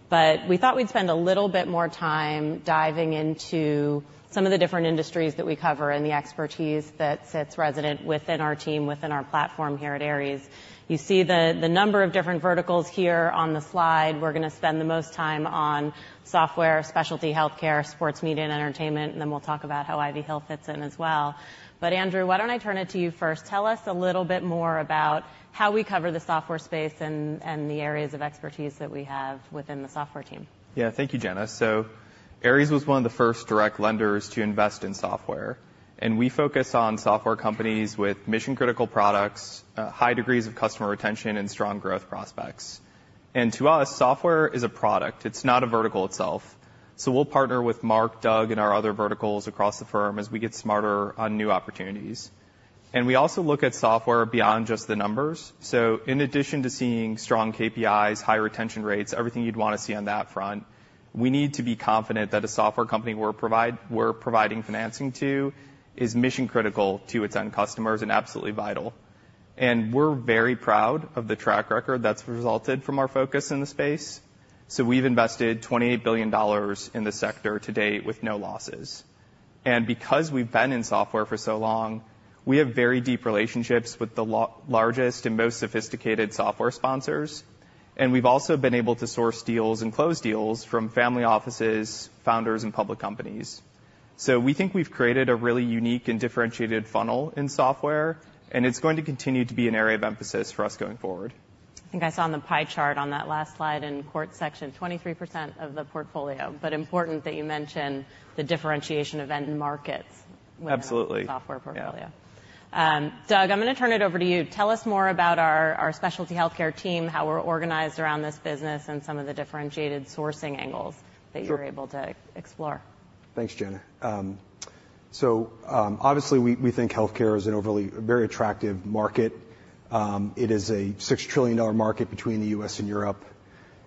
But we thought we'd spend a little bit more time diving into some of the different industries that we cover and the expertise that sits resident within our team, within our platform here at Ares. You see the, the number of different verticals here on the slide. We're gonna spend the most time on software, specialty healthcare, sports, media, and entertainment, and then we'll talk about how Ivy Hill fits in as well. But Andrew, why don't I turn it to you first? Tell us a little bit more about how we cover the software space and, and the areas of expertise that we have within the software team? Yeah. Thank you, Jana. So Ares was one of the first direct lenders to invest in software, and we focus on software companies with mission-critical products, high degrees of customer retention, and strong growth prospects. And to us, software is a product. It's not a vertical itself. So we'll partner with Mark, Doug, and our other verticals across the firm as we get smarter on new opportunities. And we also look at software beyond just the numbers. So in addition to seeing strong KPIs, high retention rates, everything you'd wanna see on that front, we need to be confident that a software company we're providing financing to is mission-critical to its end customers and absolutely vital. And we're very proud of the track record that's resulted from our focus in the space. So we've invested $28 billion in the sector to date with no losses. Because we've been in software for so long, we have very deep relationships with the largest and most sophisticated software sponsors, and we've also been able to source deals and close deals from family offices, founders, and public companies. We think we've created a really unique and differentiated funnel in software, and it's going to continue to be an area of emphasis for us going forward. I think I saw on the pie chart on that last slide in the Kort's section, 23% of the portfolio, but important that you mention the differentiation of end markets- Absolutely. -software portfolio. Yeah. Doug, I'm gonna turn it over to you. Tell us more about our specialty healthcare team, how we're organized around this business, and some of the differentiated sourcing angles- Sure. that you're able to explore. Thanks, Jana. So, obviously we think healthcare is an overly, very attractive market. It is a $6 trillion market between the U.S. and Europe.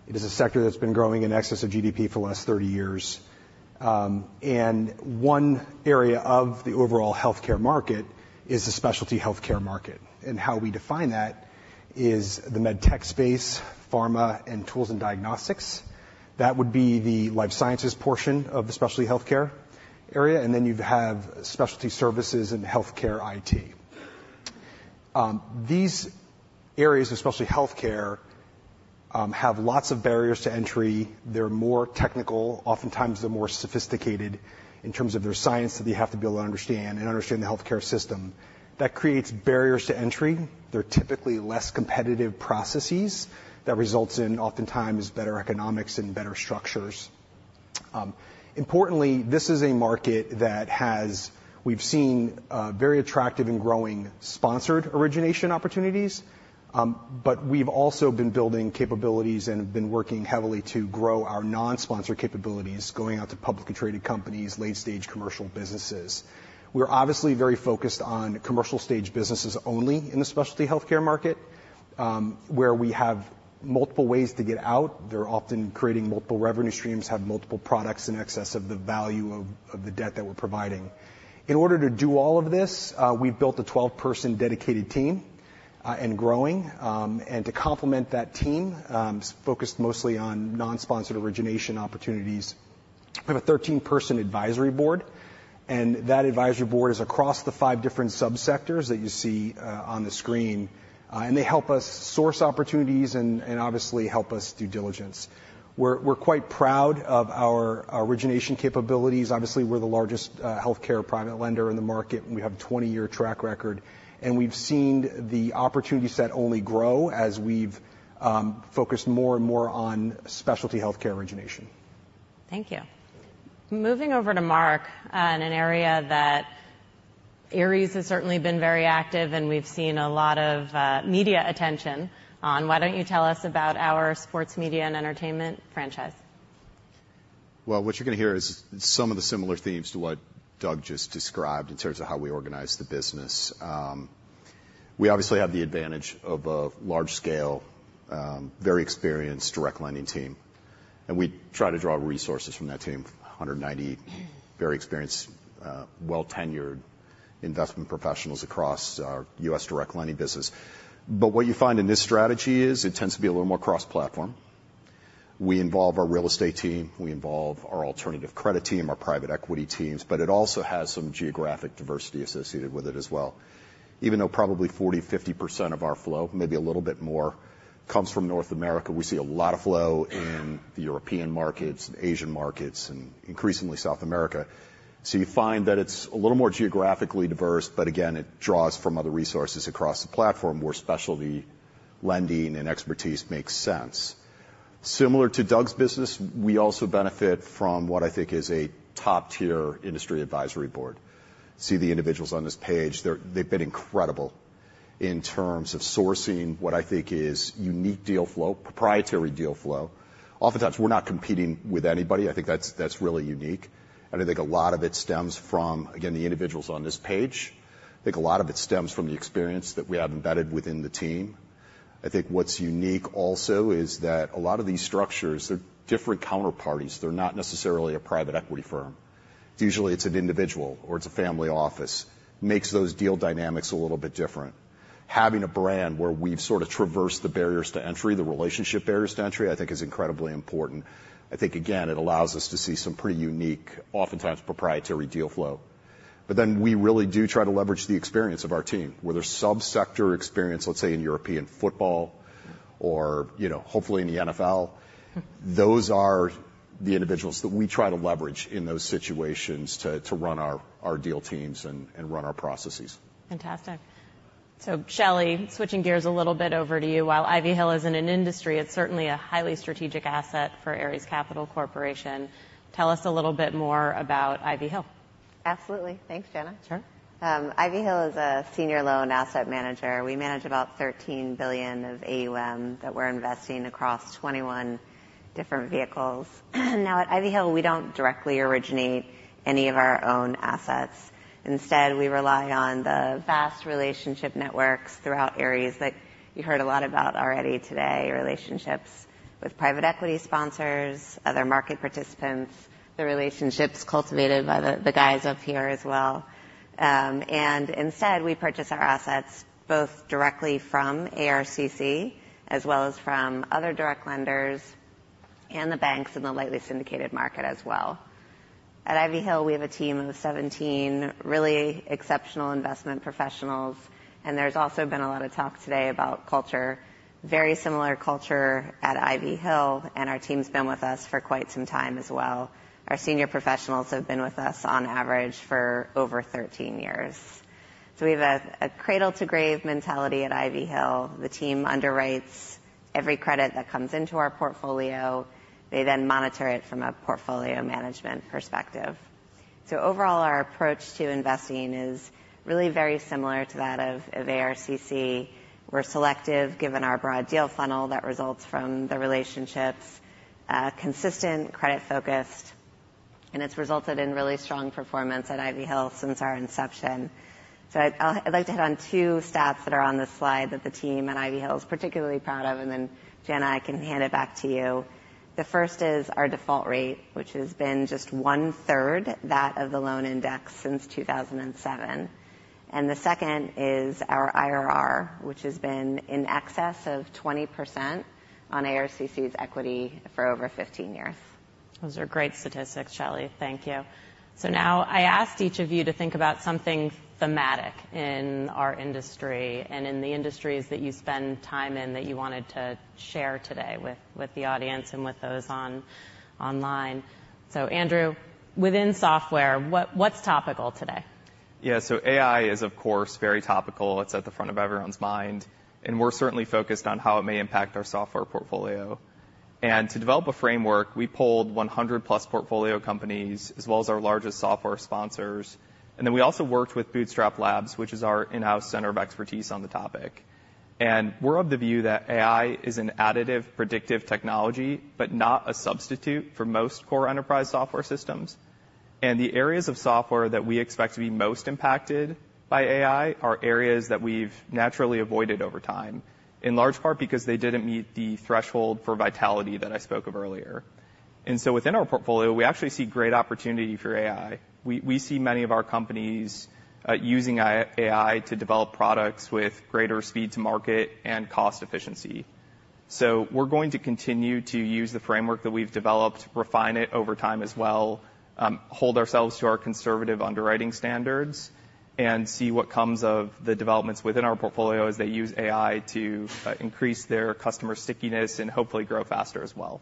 It is a sector that's been growing in excess of GDP for the last 30 years. And one area of the overall healthcare market is the specialty healthcare market, and how we define that is the medtech space, pharma, and tools and diagnostics. That would be the life sciences portion of the specialty healthcare area, and then you'd have specialty services and healthcare IT. These areas of specialty healthcare have lots of barriers to entry. They're more technical. Oftentimes, they're more sophisticated in terms of their science, that you have to be able to understand and understand the healthcare system. That creates barriers to entry. They're typically less competitive processes that results in, oftentimes, better economics and better structures. Importantly, this is a market that we've seen very attractive and growing sponsored origination opportunities, but we've also been building capabilities and have been working heavily to grow our non-sponsor capabilities, going out to publicly traded companies, late-stage commercial businesses. We're obviously very focused on commercial-stage businesses only in the specialty healthcare market, where we have multiple ways to get out. They're often creating multiple revenue streams, have multiple products in excess of the value of the debt that we're providing. In order to do all of this, we've built a 12-person dedicated team, and growing. And to complement that team, focused mostly on non-sponsored origination opportunities. We have a 13-person advisory board, and that advisory board is across the 5 different sub-sectors that you see on the screen. And they help us source opportunities and obviously help us due diligence. We're quite proud of our origination capabilities. Obviously, we're the largest healthcare private lender in the market, and we have a 20-year track record, and we've seen the opportunity set only grow as we've focused more and more on specialty healthcare origination. Thank you. Moving over to Mark, in an area that Ares has certainly been very active, and we've seen a lot of, media attention on, why don't you tell us about our sports, media, and entertainment franchise? Well, what you're gonna hear is some of the similar themes to what Doug just described in terms of how we organize the business. We obviously have the advantage of a large scale, very direct lending team, and we try to draw resources from that team. 190 very experienced, well-tenured investment professionals across our direct lending business. But what you find in this strategy is it tends to be a little more cross-platform. We involve our Real Estate team, we involve our Alternative Credit team, Private Equity teams, but it also has some geographic diversity associated with it as well. Even though probably 40%-50% of our flow, maybe a little bit more, comes from North America, we see a lot of flow in the European markets and Asian markets and increasingly South America. So you find that it's a little more geographically diverse, but again, it draws from other resources across the platform where specialty lending and expertise makes sense. Similar to Doug's business, we also benefit from what I think is a top-tier industry advisory board. See the individuals on this page. They're. They've been incredible- -in terms of sourcing what I think is unique deal flow, proprietary deal flow. Oftentimes, we're not competing with anybody. I think that's really unique, and I think a lot of it stems from, again, the individuals on this page. I think a lot of it stems from the experience that we have embedded within the team. I think what's unique also is that a lot of these structures, they're different counterparties. They're not necessarily private equity firm. It's usually an individual or it's a family office. Makes those deal dynamics a little bit different. Having a brand where we've sort of traversed the barriers to entry, the relationship barriers to entry, I think is incredibly important. I think, again, it allows us to see some pretty unique, oftentimes proprietary deal flow. But then we really do try to leverage the experience of our team, whether sub-sector experience, let's say, in European football or, you know, hopefully in the NFL. Those are the individuals that we try to leverage in those situations to run our deal teams and run our processes. Fantastic. So, Shelley, switching gears a little bit over to you. While Ivy Hill isn't an industry, it's certainly a highly strategic asset for Ares Capital Corporation. Tell us a little bit more about Ivy Hill. Absolutely. Thanks, Jana. Sure. Ivy Hill is a senior loan asset manager. We manage about $13 billion of AUM that we're investing across 21 different vehicles. Now, at Ivy Hill, we don't directly originate any of our own assets. Instead, we rely on the vast relationship networks throughout Ares that you heard a lot about already today, relationships private equity sponsors, other market participants, the relationships cultivated by the, the guys up here as well. And instead, we purchase our assets both directly from ARCC, as well as from other direct lenders and the banks in the lightly syndicated market as well. At Ivy Hill, we have a team of 17 really exceptional investment professionals, and there's also been a lot of talk today about culture. Very similar culture at Ivy Hill, and our team's been with us for quite some time as well. Our senior professionals have been with us on average for over 13 years. We have a cradle-to-grave mentality at Ivy Hill. The team underwrites every credit that comes into our portfolio. They then monitor it from a portfolio management perspective. Overall, our approach to investing is really very similar to that of ARCC. We're selective, given our broad deal funnel that results from the relationships, consistent, credit-focused, and it's resulted in really strong performance at Ivy Hill since our inception. I'd like to hit on two stats that are on this slide that the team at Ivy Hill is particularly proud of, and then, Jana, I can hand it back to you. The first is our default rate, which has been just one-third that of the loan index since 2007. The second is our IRR, which has been in excess of 20% on ARCC's equity for over 15 years. Those are great statistics, Shelley. Thank you. So now I asked each of you to think about something thematic in our industry and in the industries that you spend time in, that you wanted to share today with the audience and with those online. So, Andrew, within software, what, what's topical today? Yeah, so AI is, of course, very topical. It's at the front of everyone's mind, and we're certainly focused on how it may impact our software portfolio. And to develop a framework, we polled 100+ portfolio companies, as well as our largest software sponsors, and then we also worked with BootstrapLabs, which is our in-house center of expertise on the topic. And we're of the view that AI is an additive, predictive technology, but not a substitute for most core enterprise software systems. And the areas of software that we expect to be most impacted by AI are areas that we've naturally avoided over time, in large part because they didn't meet the threshold for vitality that I spoke of earlier. And so within our portfolio, we actually see great opportunity for AI. We see many of our companies using AI to develop products with greater speed to market and cost efficiency. So we're going to continue to use the framework that we've developed, refine it over time as well, hold ourselves to our conservative underwriting standards, and see what comes of the developments within our portfolio as they use AI to increase their customer stickiness and hopefully grow faster as well.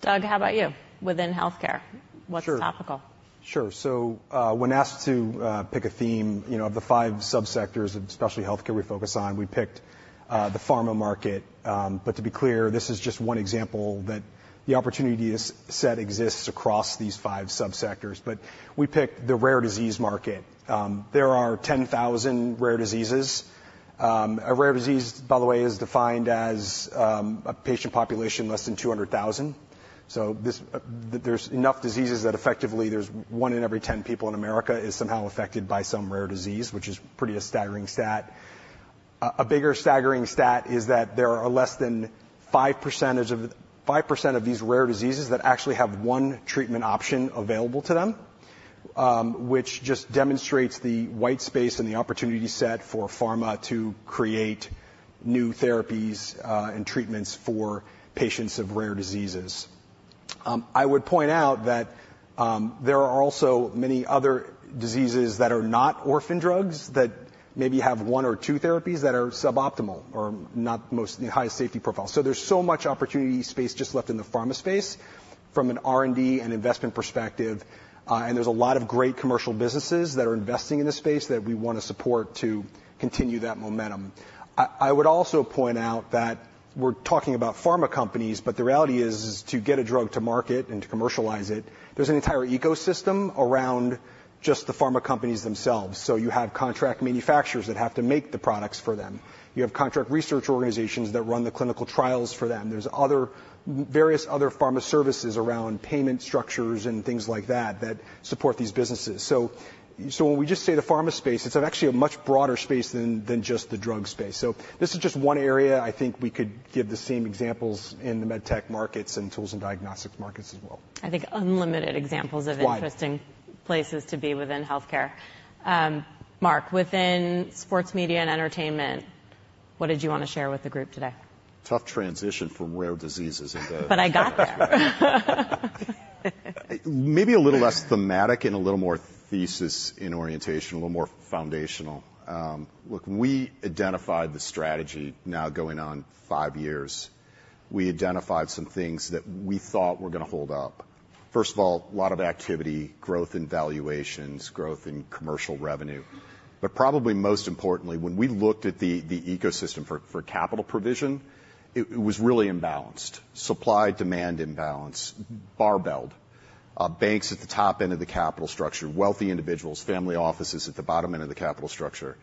Doug, how about you? Within healthcare- Sure. -what's topical? Sure. So, when asked to pick a theme, you know, of the five subsectors, especially healthcare we focus on, we picked the pharma market. But to be clear, this is just one example that the opportunity set exists across these five subsectors. But we picked the rare disease market. There are 10,000 rare diseases. A rare disease, by the way, is defined as a patient population less than 200,000. So, there's enough diseases that effectively there's one in every 10 people in America is somehow affected by some rare disease, which is pretty staggering stat. A bigger staggering stat is that there are less than 5% of these rare diseases that actually have one treatment option available to them, which just demonstrates the white space and the opportunity set for pharma to create new therapies and treatments for patients of rare diseases. I would point out that there are also many other diseases that are not orphan drugs, that maybe have one or two therapies that are suboptimal or not the highest safety profile. So there's so much opportunity space just left in the pharma space from an R&D and investment perspective, and there's a lot of great commercial businesses that are investing in this space that we wanna support to continue that momentum. I would also point out that we're talking about pharma companies, but the reality is to get a drug to market and to commercialize it, there's an entire ecosystem around just the pharma companies themselves. So you have contract manufacturers that have to make the products for them. You have contract research organizations that run the clinical trials for them. There's various other pharma services around payment structures and things like that, that support these businesses. So when we just say the pharma space, it's actually a much broader space than just the drug space. So this is just one area. I think we could give the same examples in the medtech markets and tools and diagnostics markets as well. I think unlimited examples- Wide -of interesting places to be within healthcare. Mark, within sports media and entertainment, what did you wanna share with the group today? Tough transition from rare diseases into- But I got there. Maybe a little less thematic and a little more thesis in orientation, a little more foundational. Look, we identified the strategy now going on five years. We identified some things that we thought were gonna hold up. First of all, a lot of activity, growth in valuations, growth in commercial revenue. But probably most importantly, when we looked at the ecosystem for capital provision, it was really imbalanced. Supply-demand imbalance, barbelled. Banks at the top end of the capital structure, wealthy individuals, family offices at the bottom end of the capital structure.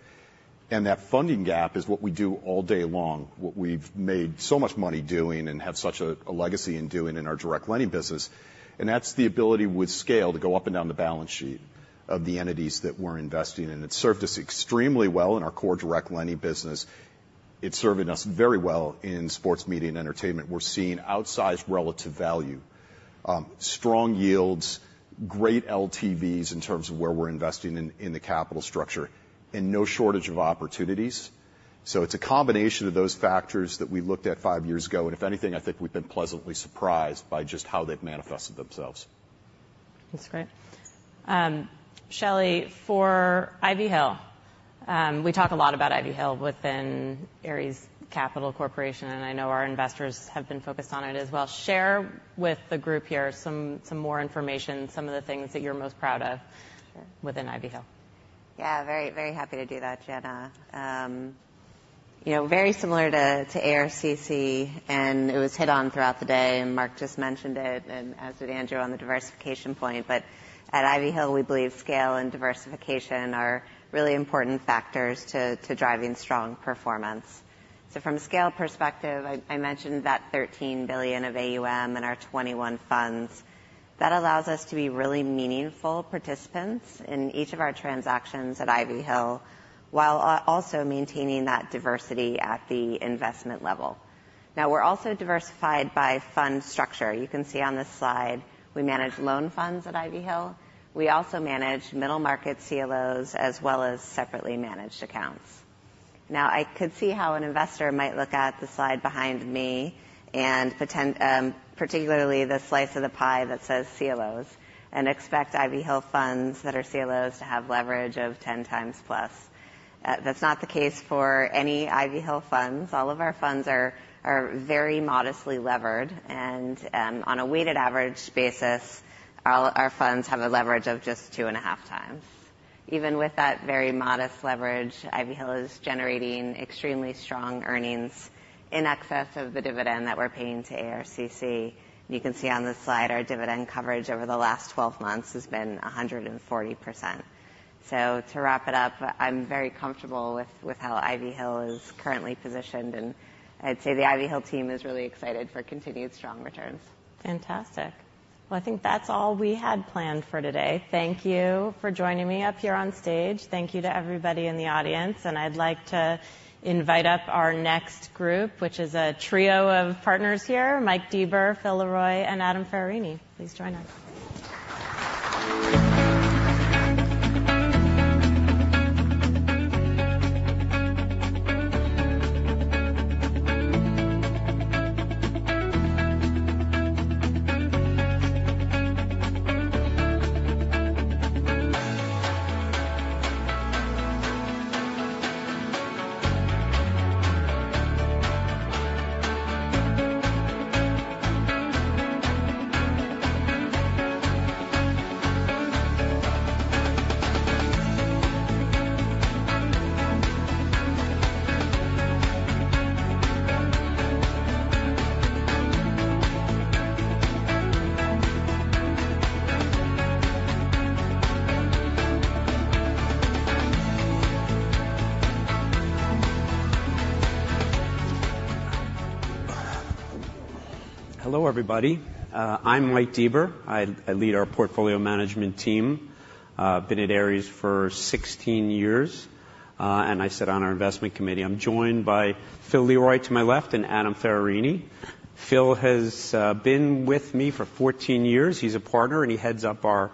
And that funding gap is what we do all day long, what we've made so much money doing and have such a legacy in doing in direct lending business, and that's the ability, with scale, to go up and down the balance sheet of the entities that we're investing in. It served us extremely well in our direct lending business. It's serving us very well in sports media and entertainment. We're seeing outsized relative value, strong yields, great LTVs in terms of where we're investing in the capital structure, and no shortage of opportunities. It's a combination of those factors that we looked at five years ago, and if anything, I think we've been pleasantly surprised by just how they've manifested themselves. That's great. Shelley, for Ivy Hill, we talk a lot about Ivy Hill within Ares Capital Corporation, and I know our investors have been focused on it as well. Share with the group here some more information, some of the things that you're most proud of- Sure. within Ivy Hill. Yeah, very, very happy to do that, Jana. You know, very similar to ARCC, and it was hit on throughout the day, and Mark just mentioned it, and as did Andrew on the diversification point. But at Ivy Hill, we believe scale and diversification are really important factors to driving strong performance. So from a scale perspective, I mentioned that $13 billion of AUM and our 21 funds. That allows us to be really meaningful participants in each of our transactions at Ivy Hill, while also maintaining that diversity at the investment level. Now, we're also diversified by fund structure. You can see on this slide, we manage loan funds at Ivy Hill. We also manage middle market CLOs, as well as separately managed accounts. Now, I could see how an investor might look at the slide behind me and potentially, particularly the slice of the pie that says CLOs, and expect Ivy Hill funds that are CLOs to have leverage of 10x plus. That's not the case for any Ivy Hill funds. All of our funds are very modestly levered, and on a weighted average basis, all our funds have a leverage of just 2.5x. Even with that very modest leverage, Ivy Hill is generating extremely strong earnings in excess of the dividend that we're paying to ARCC. You can see on this slide, our dividend coverage over the last twelve months has been 140%. To wrap it up, I'm very comfortable with how Ivy Hill is currently positioned, and I'd say the Ivy Hill team is really excited for continued strong returns. Fantastic. Well, I think that's all we had planned for today. Thank you for joining me up here on stage. Thank you to everybody in the audience, and I'd like to invite up our next group, which is a trio of partners here, Mike Dieber, Phil LeRoy, and Adam Ferrarini. Please join us. Hello, everybody. I'm Mike Dieber. I lead our portfolio management team. Been at Ares for 16 years, and I sit on our investment committee. I'm joined by Phil LeRoy to my left, and Adam Ferrarini. Phil has been with me for 14 years. He's a partner, and he heads up our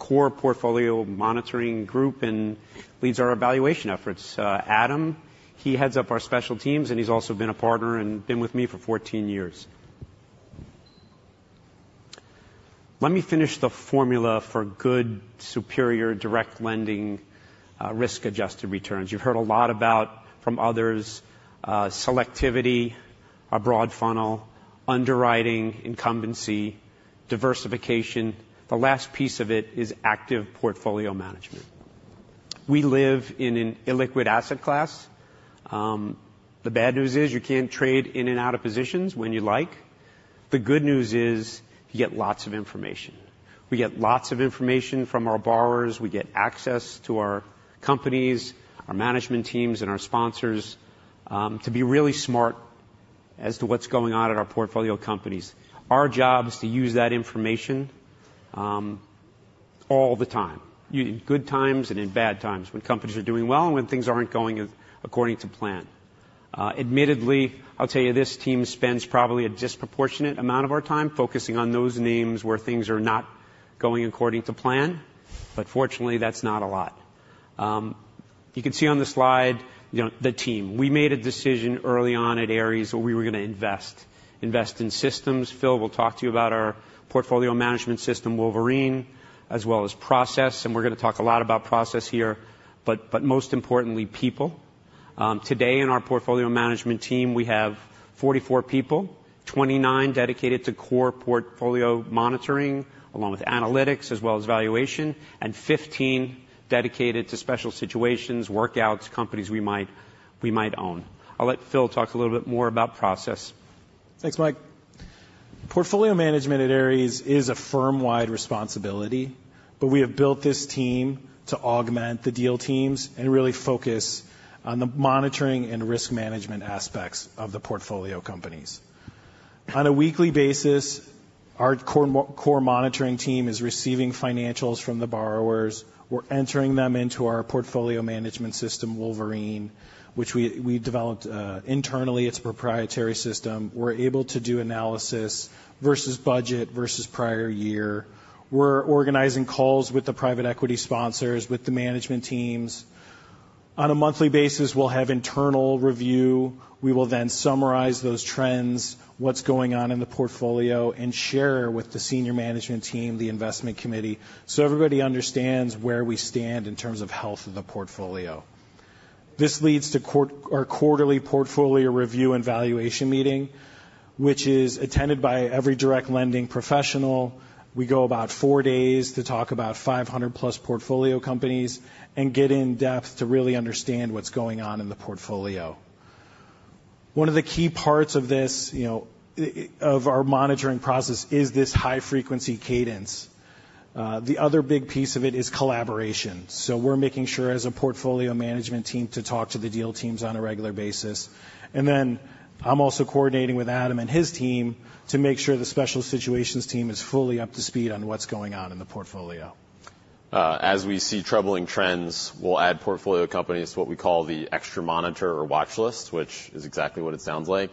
core portfolio monitoring group and leads our valuation efforts. Adam, he heads up our special teams, and he's also been a partner and been with me for 14 years. Let me finish the formula for good, direct lending, risk-adjusted returns. You've heard a lot about from others, selectivity, a broad funnel, underwriting, incumbency, diversification. The last piece of it is active portfolio management. We live in an illiquid asset class. The bad news is you can't trade in and out of positions when you like. The good news is you get lots of information. We get lots of information from our borrowers. We get access to our companies, our management teams, and our sponsors, to be really smart as to what's going on at our portfolio companies. Our job is to use that information, all the time, in good times and in bad times, when companies are doing well and when things aren't going according to plan. Admittedly, I'll tell you, this team spends probably a disproportionate amount of our time focusing on those names where things are not going according to plan, but fortunately, that's not a lot. You can see on the slide, you know, the team. We made a decision early on at Ares, where we were gonna invest, invest in systems. Phil will talk to you about our portfolio management system, Wolverine, as well as process, and we're gonna talk a lot about process here, but, but most importantly, people. Today in our portfolio management team, we have 44 people, 29 dedicated to core portfolio monitoring, along with analytics as well as valuation, and 15 dedicated to special situations, workouts, companies we might, we might own. I'll let Phil talk a little bit more about process. Thanks, Mike. Portfolio management at Ares is a firm-wide responsibility, but we have built this team to augment the deal teams and really focus on the monitoring and risk management aspects of the portfolio companies. On a weekly basis, our core monitoring team is receiving financials from the borrowers. We're entering them into our portfolio management system, Wolverine, which we, we developed internally. It's a proprietary system. We're able to do analysis versus budget versus prior year. We're organizing calls with private equity sponsors, with the management teams. On a monthly basis, we'll have internal review. We will then summarize those trends, what's going on in the portfolio, and share with the senior management team, the investment committee, so everybody understands where we stand in terms of health of the portfolio. This leads to our quarterly portfolio review and valuation meeting, which is attended by direct lending professional. We go about four days to talk about 500+ portfolio companies and get in depth to really understand what's going on in the portfolio. One of the key parts of this, you know, of our monitoring process is this high-frequency cadence. The other big piece of it is collaboration. So we're making sure as a portfolio management team, to talk to the deal teams on a regular basis. And then I'm also coordinating with Adam and his team to make sure the special situations team is fully up to speed on what's going on in the portfolio. As we see troubling trends, we'll add portfolio companies to what we call the extra monitor or watchlist, which is exactly what it sounds like.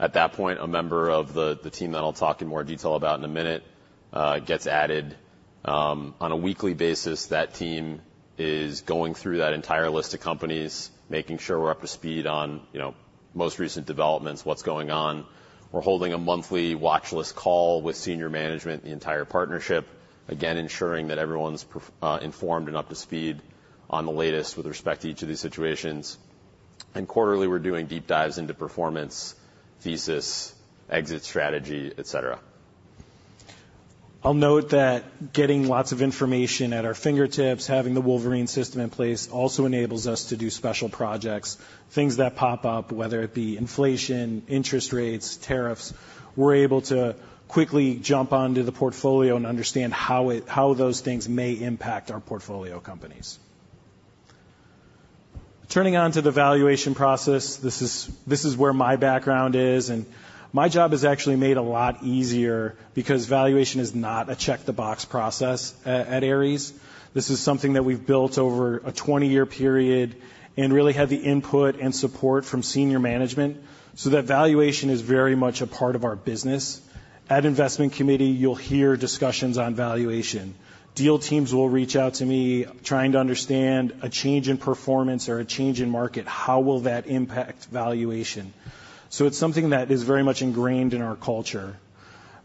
At that point, a member of the team that I'll talk in more detail about in a minute, gets added. On a weekly basis, that team is going through that entire list of companies, making sure we're up to speed on, you know, most recent developments, what's going on. We're holding a monthly watchlist call with senior management, the entire partnership, again, ensuring that everyone's profoundly informed and up to speed on the latest with respect to each of these situations. Quarterly, we're doing deep dives into performance, thesis, exit strategy, et cetera. I'll note that getting lots of information at our fingertips, having the Wolverine system in place, also enables us to do special projects, things that pop up, whether it be inflation, interest rates, tariffs. We're able to quickly jump onto the portfolio and understand how it-- how those things may impact our portfolio companies. Turning on to the valuation process, this is, this is where my background is, and my job is actually made a lot easier because valuation is not a check-the-box process at, at Ares. This is something that we've built over a 20-year period and really had the input and support from senior management. So that valuation is very much a part of our business. At investment committee, you'll hear discussions on valuation. Deal teams will reach out to me, trying to understand a change in performance or a change in market, how will that impact valuation? It's something that is very much ingrained in our culture.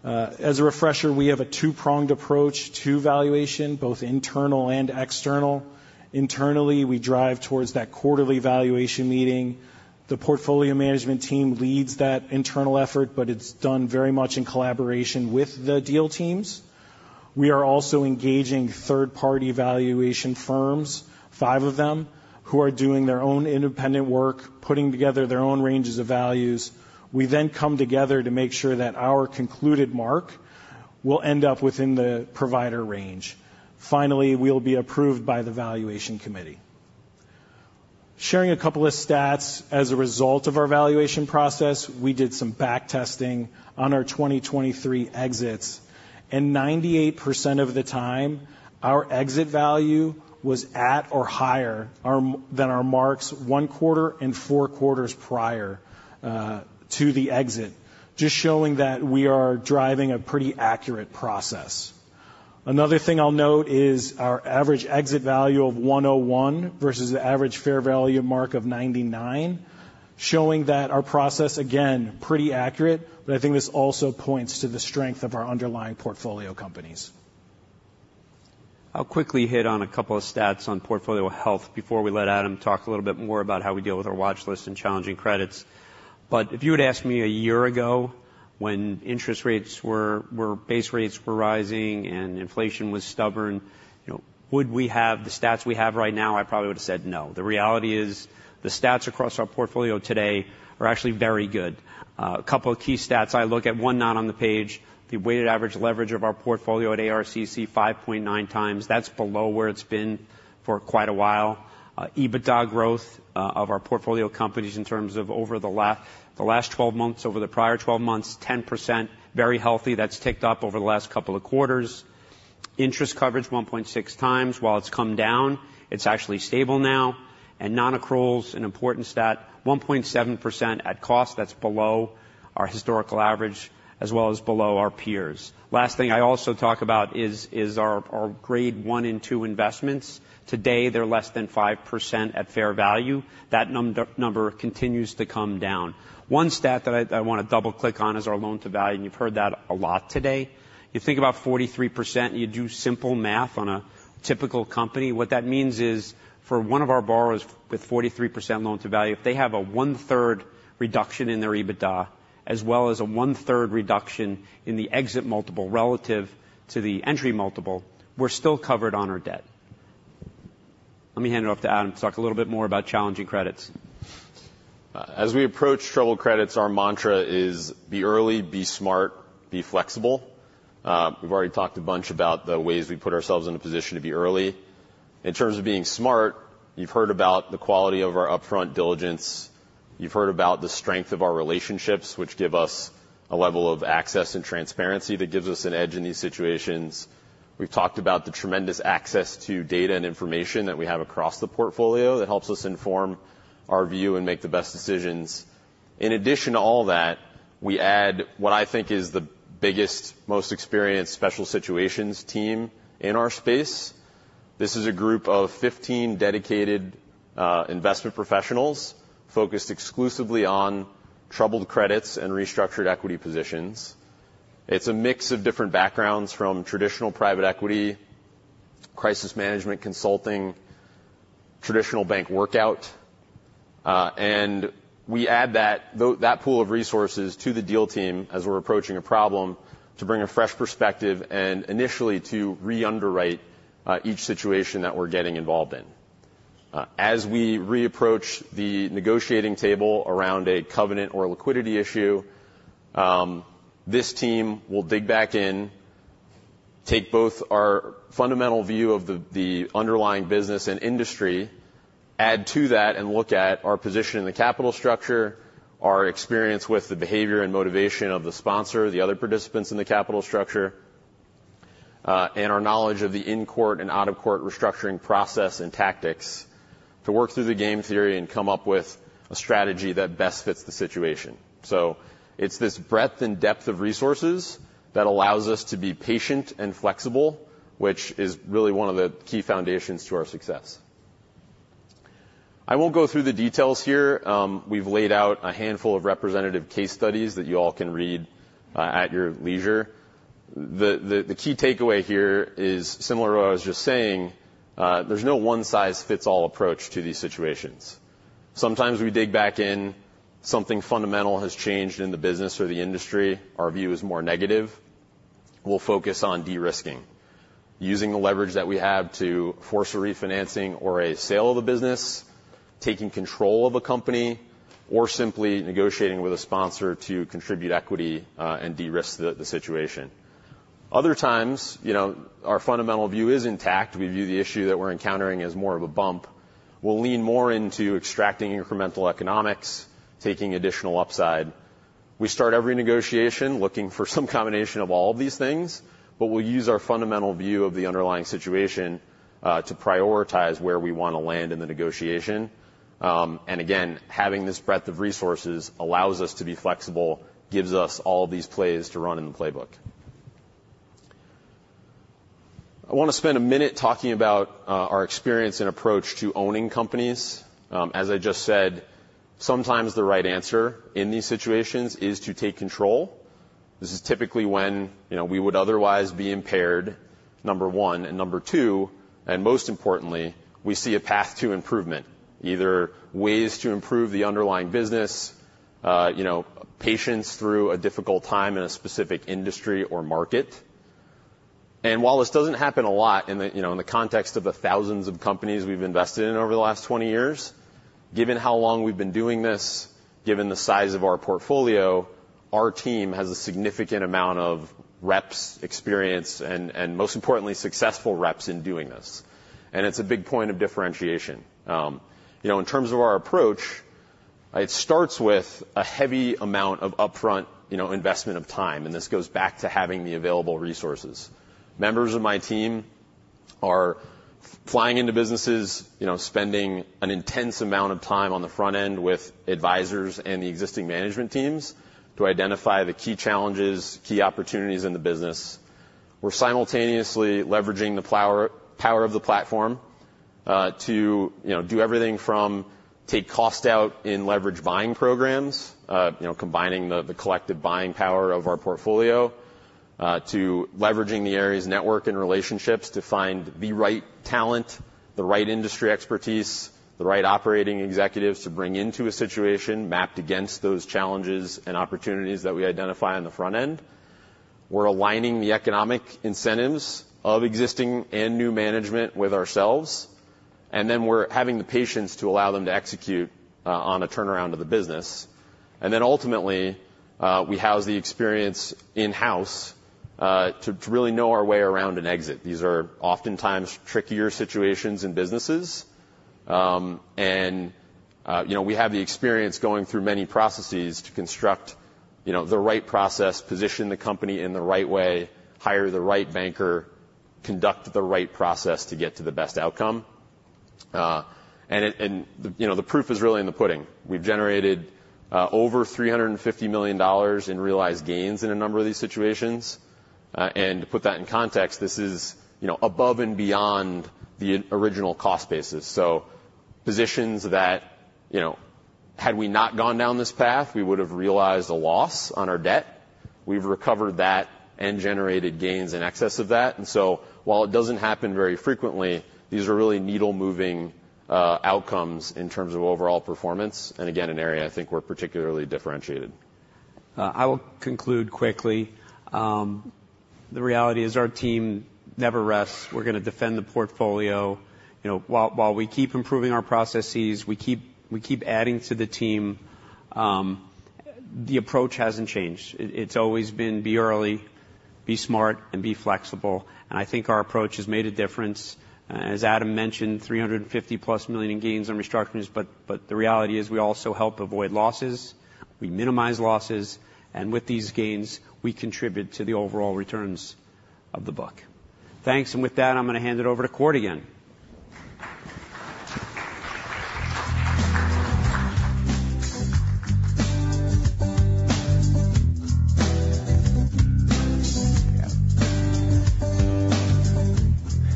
As a refresher, we have a two-pronged approach to valuation, both internal and external. Internally, we drive towards that quarterly valuation meeting. The portfolio management team leads that internal effort, but it's done very much in collaboration with the deal teams. We are also engaging third-party valuation firms, five of them, who are doing their own independent work, putting together their own ranges of values. We then come together to make sure that our concluded mark will end up within the provider range. Finally, we'll be approved by the valuation committee. Sharing a couple of stats as a result of our valuation process, we did some backtesting on our 2023 exits, and 98% of the time, our exit value was at or higher than our marks one quarter and four quarters prior to the exit, just showing that we are driving a pretty accurate process. Another thing I'll note is our average exit value of 101 versus the average fair value mark of 99, showing that our process, again, pretty accurate, but I think this also points to the strength of our underlying portfolio companies. I'll quickly hit on a couple of stats on portfolio health before we let Adam talk a little bit more about how we deal with our watch list and challenging credits. But if you were to ask me a year ago, when interest rates were, base rates were rising and inflation was stubborn, you know, would we have the stats we have right now? I probably would have said, no. The reality is, the stats across our portfolio today are actually very good. A couple of key stats I look at, one, not on the page, the weighted average leverage of our portfolio at ARCC, 5.9 times. That's below where it's been for quite a while. EBITDA growth of our portfolio companies in terms of over the last 12 months, over the prior 12 months, 10%, very healthy. That's ticked up over the last couple of quarters. Interest coverage, 1.6 times. While it's come down, it's actually stable now. Nonaccruals, an important stat, 1.7% at cost. That's below our historical average, as well as below our peers. Last thing I also talk about is our grade one and two investments. Today, they're less than 5% at fair value. That number continues to come down. One stat that I want to double-click on is our loan-to-value, and you've heard that a lot today. You think about 43%, you do simple math on a typical company. What that means is, for one of our borrowers with 43% loan to value, if they have a one-third reduction in their EBITDA, as well as a one-third reduction in the exit multiple relative to the entry multiple, we're still covered on our debt. Let me hand it off to Adam to talk a little bit more about challenging credits. As we approach trouble credits, our mantra is, "Be early, be smart, be flexible." We've already talked a bunch about the ways we put ourselves in a position to be early. In terms of being smart, you've heard about the quality of our upfront diligence. You've heard about the strength of our relationships, which give us a level of access and transparency that gives us an edge in these situations. We've talked about the tremendous access to data and information that we have across the portfolio that helps us inform our view and make the best decisions. In addition to all that, we add what I think is the biggest, most experienced special situations team in our space. This is a group of 15 dedicated investment professionals, focused exclusively on troubled credits and restructured equity positions. It's a mix of different backgrounds, from private equity, crisis management consulting, traditional bank workout. And we add that pool of resources to the deal team as we're approaching a problem, to bring a fresh perspective and initially to re-underwrite each situation that we're getting involved in. As we reapproach the negotiating table around a covenant or a liquidity issue, this team will dig back in, take both our fundamental view of the underlying business and industry, add to that and look at our position in the capital structure, our experience with the behavior and motivation of the sponsor, the other participants in the capital structure, and our knowledge of the in-court and out-of-court restructuring process and tactics to work through the game theory and come up with a strategy that best fits the situation. So it's this breadth and depth of resources that allows us to be patient and flexible, which is really one of the key foundations to our success. I won't go through the details here. We've laid out a handful of representative case studies that you all can read at your leisure. The key takeaway here is similar to what I was just saying, there's no one-size-fits-all approach to these situations. Sometimes we dig back in, something fundamental has changed in the business or the industry, our view is more negative. We'll focus on de-risking, using the leverage that we have to force a refinancing or a sale of the business, taking control of a company, or simply negotiating with a sponsor to contribute equity and de-risk the situation. Other times, you know, our fundamental view is intact. We view the issue that we're encountering as more of a bump. We'll lean more into extracting incremental economics, taking additional upside. We start every negotiation looking for some combination of all of these things, but we'll use our fundamental view of the underlying situation to prioritize where we want to land in the negotiation. And again, having this breadth of resources allows us to be flexible, gives us all of these plays to run in the playbook. I want to spend a minute talking about our experience and approach to owning companies. As I just said, sometimes the right answer in these situations is to take control. This is typically when, you know, we would otherwise be impaired, number one, and number two, and most importantly, we see a path to improvement, either ways to improve the underlying business, you know, patience through a difficult time in a specific industry or market. And while this doesn't happen a lot in the, you know, in the context of the thousands of companies we've invested in over the last 20 years, given how long we've been doing this, given the size of our portfolio, our team has a significant amount of reps, experience, and most importantly, successful reps in doing this. And it's a big point of differentiation. You know, in terms of our approach, it starts with a heavy amount of upfront, you know, investment of time, and this goes back to having the available resources. Members of my team- -are flying into businesses, you know, spending an intense amount of time on the front end with advisors and the existing management teams to identify the key challenges, key opportunities in the business. We're simultaneously leveraging the power of the platform, to, you know, do everything from take cost out in leverage buying programs, you know, combining the collective buying power of our portfolio, to leveraging the Ares's network and relationships to find the right talent, the right industry expertise, the right operating executives to bring into a situation mapped against those challenges and opportunities that we identify on the front end. We're aligning the economic incentives of existing and new management with ourselves, and then we're having the patience to allow them to execute on a turnaround of the business. And then ultimately, we house the experience in-house, to really know our way around an exit. These are oftentimes trickier situations in businesses. You know, we have the experience going through many processes to construct, you know, the right process, position the company in the right way, hire the right banker, conduct the right process to get to the best outcome. You know, the proof is really in the pudding. We've generated over $350 million in realized gains in a number of these situations. And to put that in context, this is, you know, above and beyond the original cost basis. So positions that, you know, had we not gone down this path, we would have realized a loss on our debt. We've recovered that and generated gains in excess of that. And so while it doesn't happen very frequently, these are really needle-moving outcomes in terms of overall performance, and again, an area I think we're particularly differentiated. I will conclude quickly. The reality is, our team never rests. We're gonna defend the portfolio. You know, while we keep improving our processes, we keep adding to the team, the approach hasn't changed. It's always been be early, be smart, and be flexible, and I think our approach has made a difference. As Adam mentioned, $350+ million in gains on restructurings, but the reality is, we also help avoid losses, we minimize losses, and with these gains, we contribute to the overall returns of the book. Thanks. And with that, I'm gonna hand it over to Kort again.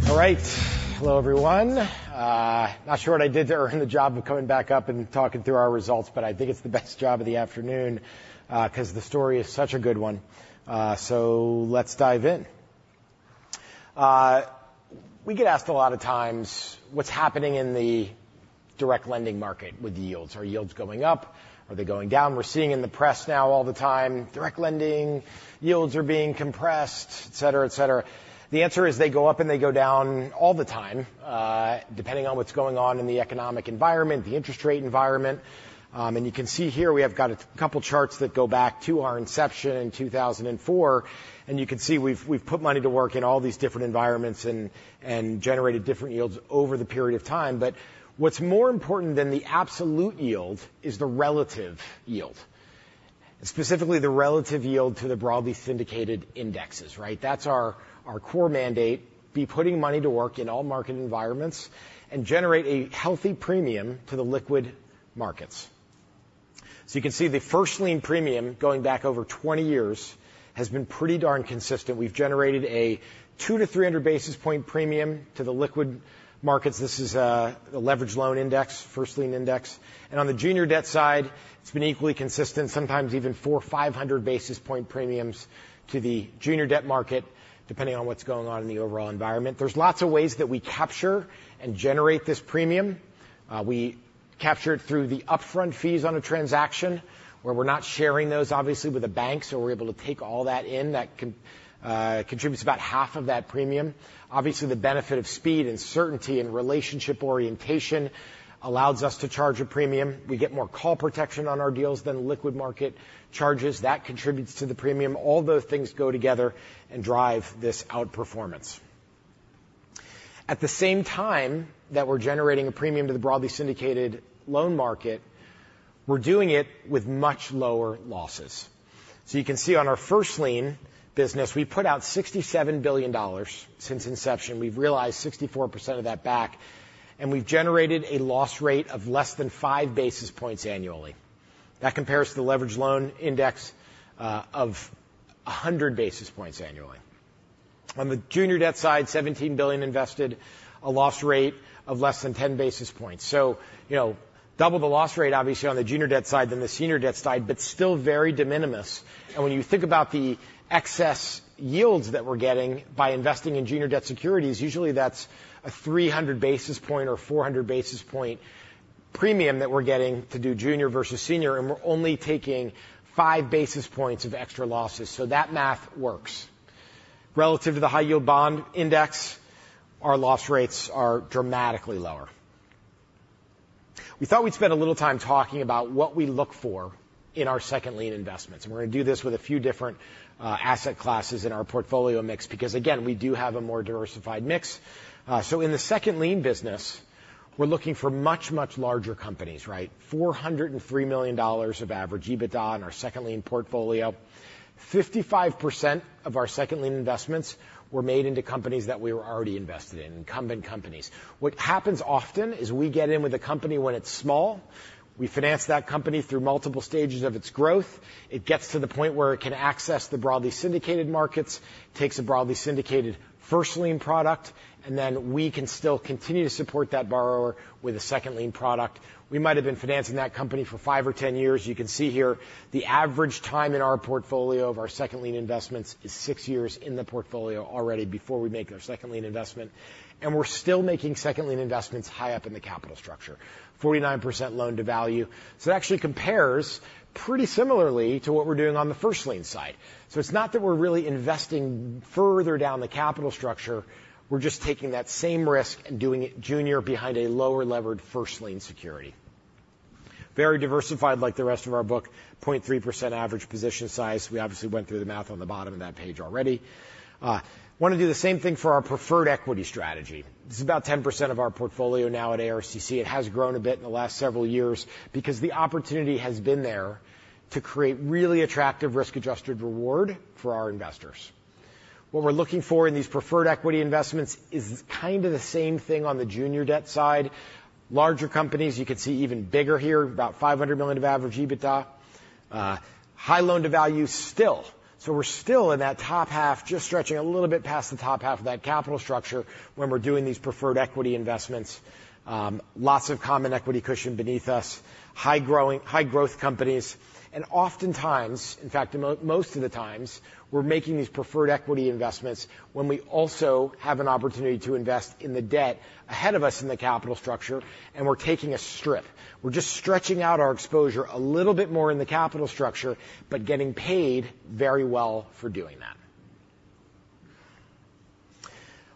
All right. Hello, everyone. Not sure what I did to earn the job of coming back up and talking through our results, but I think it's the best job of the afternoon, 'cause the story is such a good one. So let's dive in. We get asked a lot of times, "What's happening in direct lending market with the yields? Are yields going up? Are they going down?" We're seeing in the press now all the direct lending yields are being compressed, et cetera, et cetera. The answer is, they go up, and they go down all the time, depending on what's going on in the economic environment, the interest rate environment. And you can see here, we have got a couple charts that go back to our inception in 2004, and you can see we've, we've put money to work in all these different environments and, and generated different yields over the period of time. But what's more important than the absolute yield is the relative yield, specifically the relative yield to the broadly syndicated indexes, right? That's our, our core mandate, be putting money to work in all market environments and generate a healthy premium to the liquid markets. So you can see the first lien premium going back over 20 years has been pretty darn consistent. We've generated a 200-300 basis point premium to the liquid markets. This is the leveraged loan index, first lien index. And on the junior debt side, it's been equally consistent, sometimes even 400-500 basis point premiums to the junior debt market, depending on what's going on in the overall environment. There's lots of ways that we capture and generate this premium. We capture it through the upfront fees on a transaction, where we're not sharing those, obviously, with the banks, so we're able to take all that in. That contributes about half of that premium. Obviously, the benefit of speed, and certainty, and relationship orientation allows us to charge a premium. We get more call protection on our deals than liquid market charges. That contributes to the premium. All those things go together and drive this outperformance. At the same time that we're generating a premium to the broadly syndicated loan market, we're doing it with much lower losses. So you can see on our first lien business, we put out $67 billion since inception. We've realized 64% of that back, and we've generated a loss rate of less than 5 basis points annually. That compares to the leveraged loan index of 100 basis points annually. On the junior debt side, $17 billion invested, a loss rate of less than 10 basis points. So, you know, double the loss rate, obviously, on the junior debt side than the senior debt side, but still very de minimis. And when you think about the excess yields that we're getting by investing in junior debt securities, usually that's a 300 basis point or 400 basis point premium that we're getting to do junior versus senior, and we're only taking 5 basis points of extra losses, so that math works. Relative to the high yield bond index, our loss rates are dramatically lower. We thought we'd spend a little time talking about what we look for in our second lien investments, and we're gonna do this with a few different asset classes in our portfolio mix because, again, we do have a more diversified mix. So in the second lien business, we're looking for much, much larger companies, right? $403 million of average EBITDA in our second lien portfolio. 55% of our second lien investments were made into companies that we were already invested in, incumbent companies. What happens often is we get in with a company when it's small, we finance that company through multiple stages of its growth, it gets to the point where it can access the broadly syndicated markets, takes a broadly syndicated first lien product, and then we can still continue to support that borrower with a second lien product. We might have been financing that company for 5 or 10 years. You can see here the average time in our portfolio of our second lien investments is 6 years in the portfolio already before we make our second lien investment, and we're still making second lien investments high up in the capital structure. 49% loan-to-value. So it actually compares pretty similarly to what we're doing on the first lien side. So it's not that we're really investing further down the capital structure. We're just taking that same risk and doing it junior behind a lower-levered first lien security. Very diversified, like the rest of our book, 0.3% average position size. We obviously went through the math on the bottom of that page already. Wanna do the same thing for our preferred equity strategy. This is about 10% of our portfolio now at ARCC. It has grown a bit in the last several years because the opportunity has been there to create really attractive risk-adjusted reward for our investors. What we're looking for in these preferred equity investments is kind of the same thing on the junior debt side. Larger companies, you can see even bigger here, about $500 million average EBITDA. High loan-to-value still, so we're still in that top half, just stretching a little bit past the top half of that capital structure when we're doing these preferred equity investments. Lots of common equity cushion beneath us, high growth companies, and oftentimes, in fact, most of the times, we're making these preferred equity investments when we also have an opportunity to invest in the debt ahead of us in the capital structure, and we're taking a strip. We're just stretching out our exposure a little bit more in the capital structure, but getting paid very well for doing that.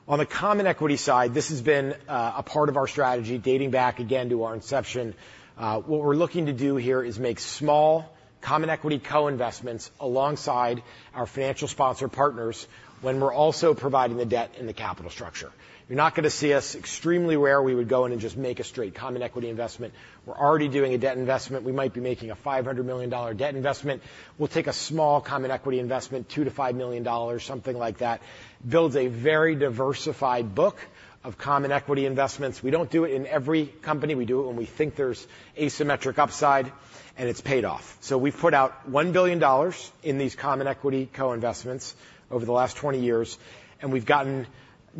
On the common equity side, this has been a part of our strategy dating back again to our inception. What we're looking to do here is make small common equity co-investments alongside our financial sponsor partners when we're also providing the debt in the capital structure. You're not gonna see us. Extremely rare we would go in and just make a straight common equity investment. We're already doing a debt investment. We might be making a $500 million debt investment. We'll take a small common equity investment, $2 million-$5 million, something like that. Builds a very diversified book of common equity investments. We don't do it in every company. We do it when we think there's asymmetric upside, and it's paid off. So we've put out $1 billion in these common equity co-investments over the last 20 years, and we've gotten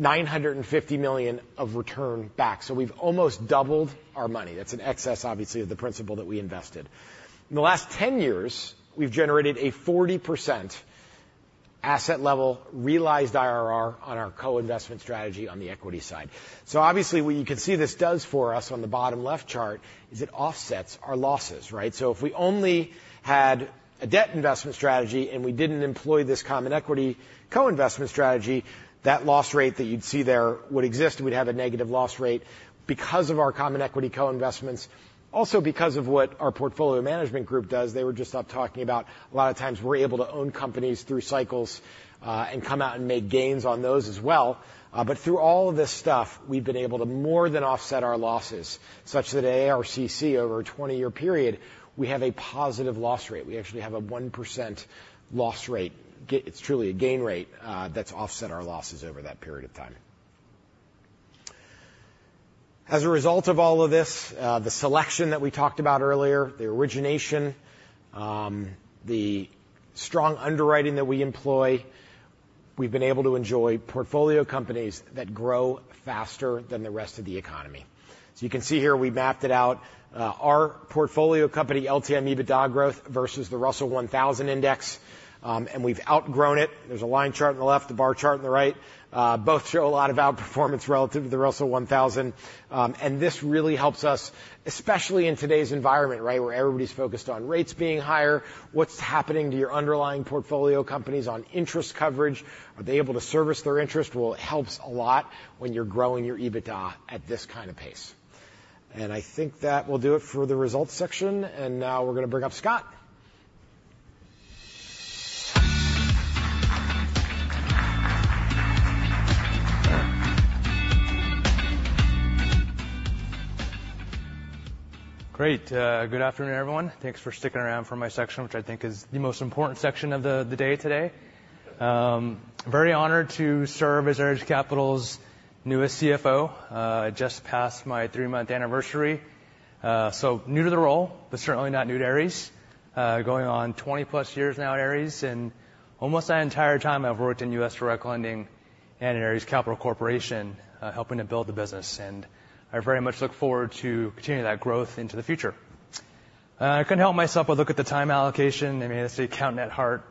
$950 million of return back, so we've almost doubled our money. That's in excess, obviously, of the principal that we invested. In the last 10 years, we've generated a 40% asset-level realized IRR on our co-investment strategy on the equity side. So obviously, what you can see this does for us on the bottom left chart is it offsets our losses, right? So if we only had a debt investment strategy, and we didn't employ this common equity co-investment strategy, that loss rate that you'd see there would exist, and we'd have a negative loss rate because of our common equity co-investments. Also, because of what our portfolio management group does, they were just up talking about a lot of times we're able to own companies through cycles, and come out and make gains on those as well. But through all of this stuff, we've been able to more than offset our losses, such that at ARCC, over a 20-year period, we have a positive loss rate. We actually have a 1% loss rate. It's truly a gain rate, that's offset our losses over that period of time. As a result of all of this, the selection that we talked about earlier, the origination, the strong underwriting that we employ, we've been able to enjoy portfolio companies that grow faster than the rest of the economy. So you can see here we mapped it out, our portfolio company LTM EBITDA growth versus the Russell 1000 Index, and we've outgrown it. There's a line chart on the left, a bar chart on the right. Both show a lot of outperformance relative to the Russell 1000. And this really helps us, especially in today's environment, right, where everybody's focused on rates being higher. What's happening to your underlying portfolio companies on interest coverage? Are they able to service their interest? Well, it helps a lot when you're growing your EBITDA at this kind of pace. And I think that will do it for the results section, and now we're gonna bring up Scott. Great. Good afternoon, everyone. Thanks for sticking around for my section, which I think is the most important section of the, the day today. Very honored to serve as Ares Capital's newest CFO. I just passed my three-month anniversary, so new to the role, but certainly not new to Ares. Going on 20-plus years now at Ares, and almost that entire time, I've worked in direct lending and in Ares Capital Corporation, helping to build the business, and I very much look forward to continuing that growth into the future. I couldn't help myself but look at the time allocation. I'm as an accountant at heart,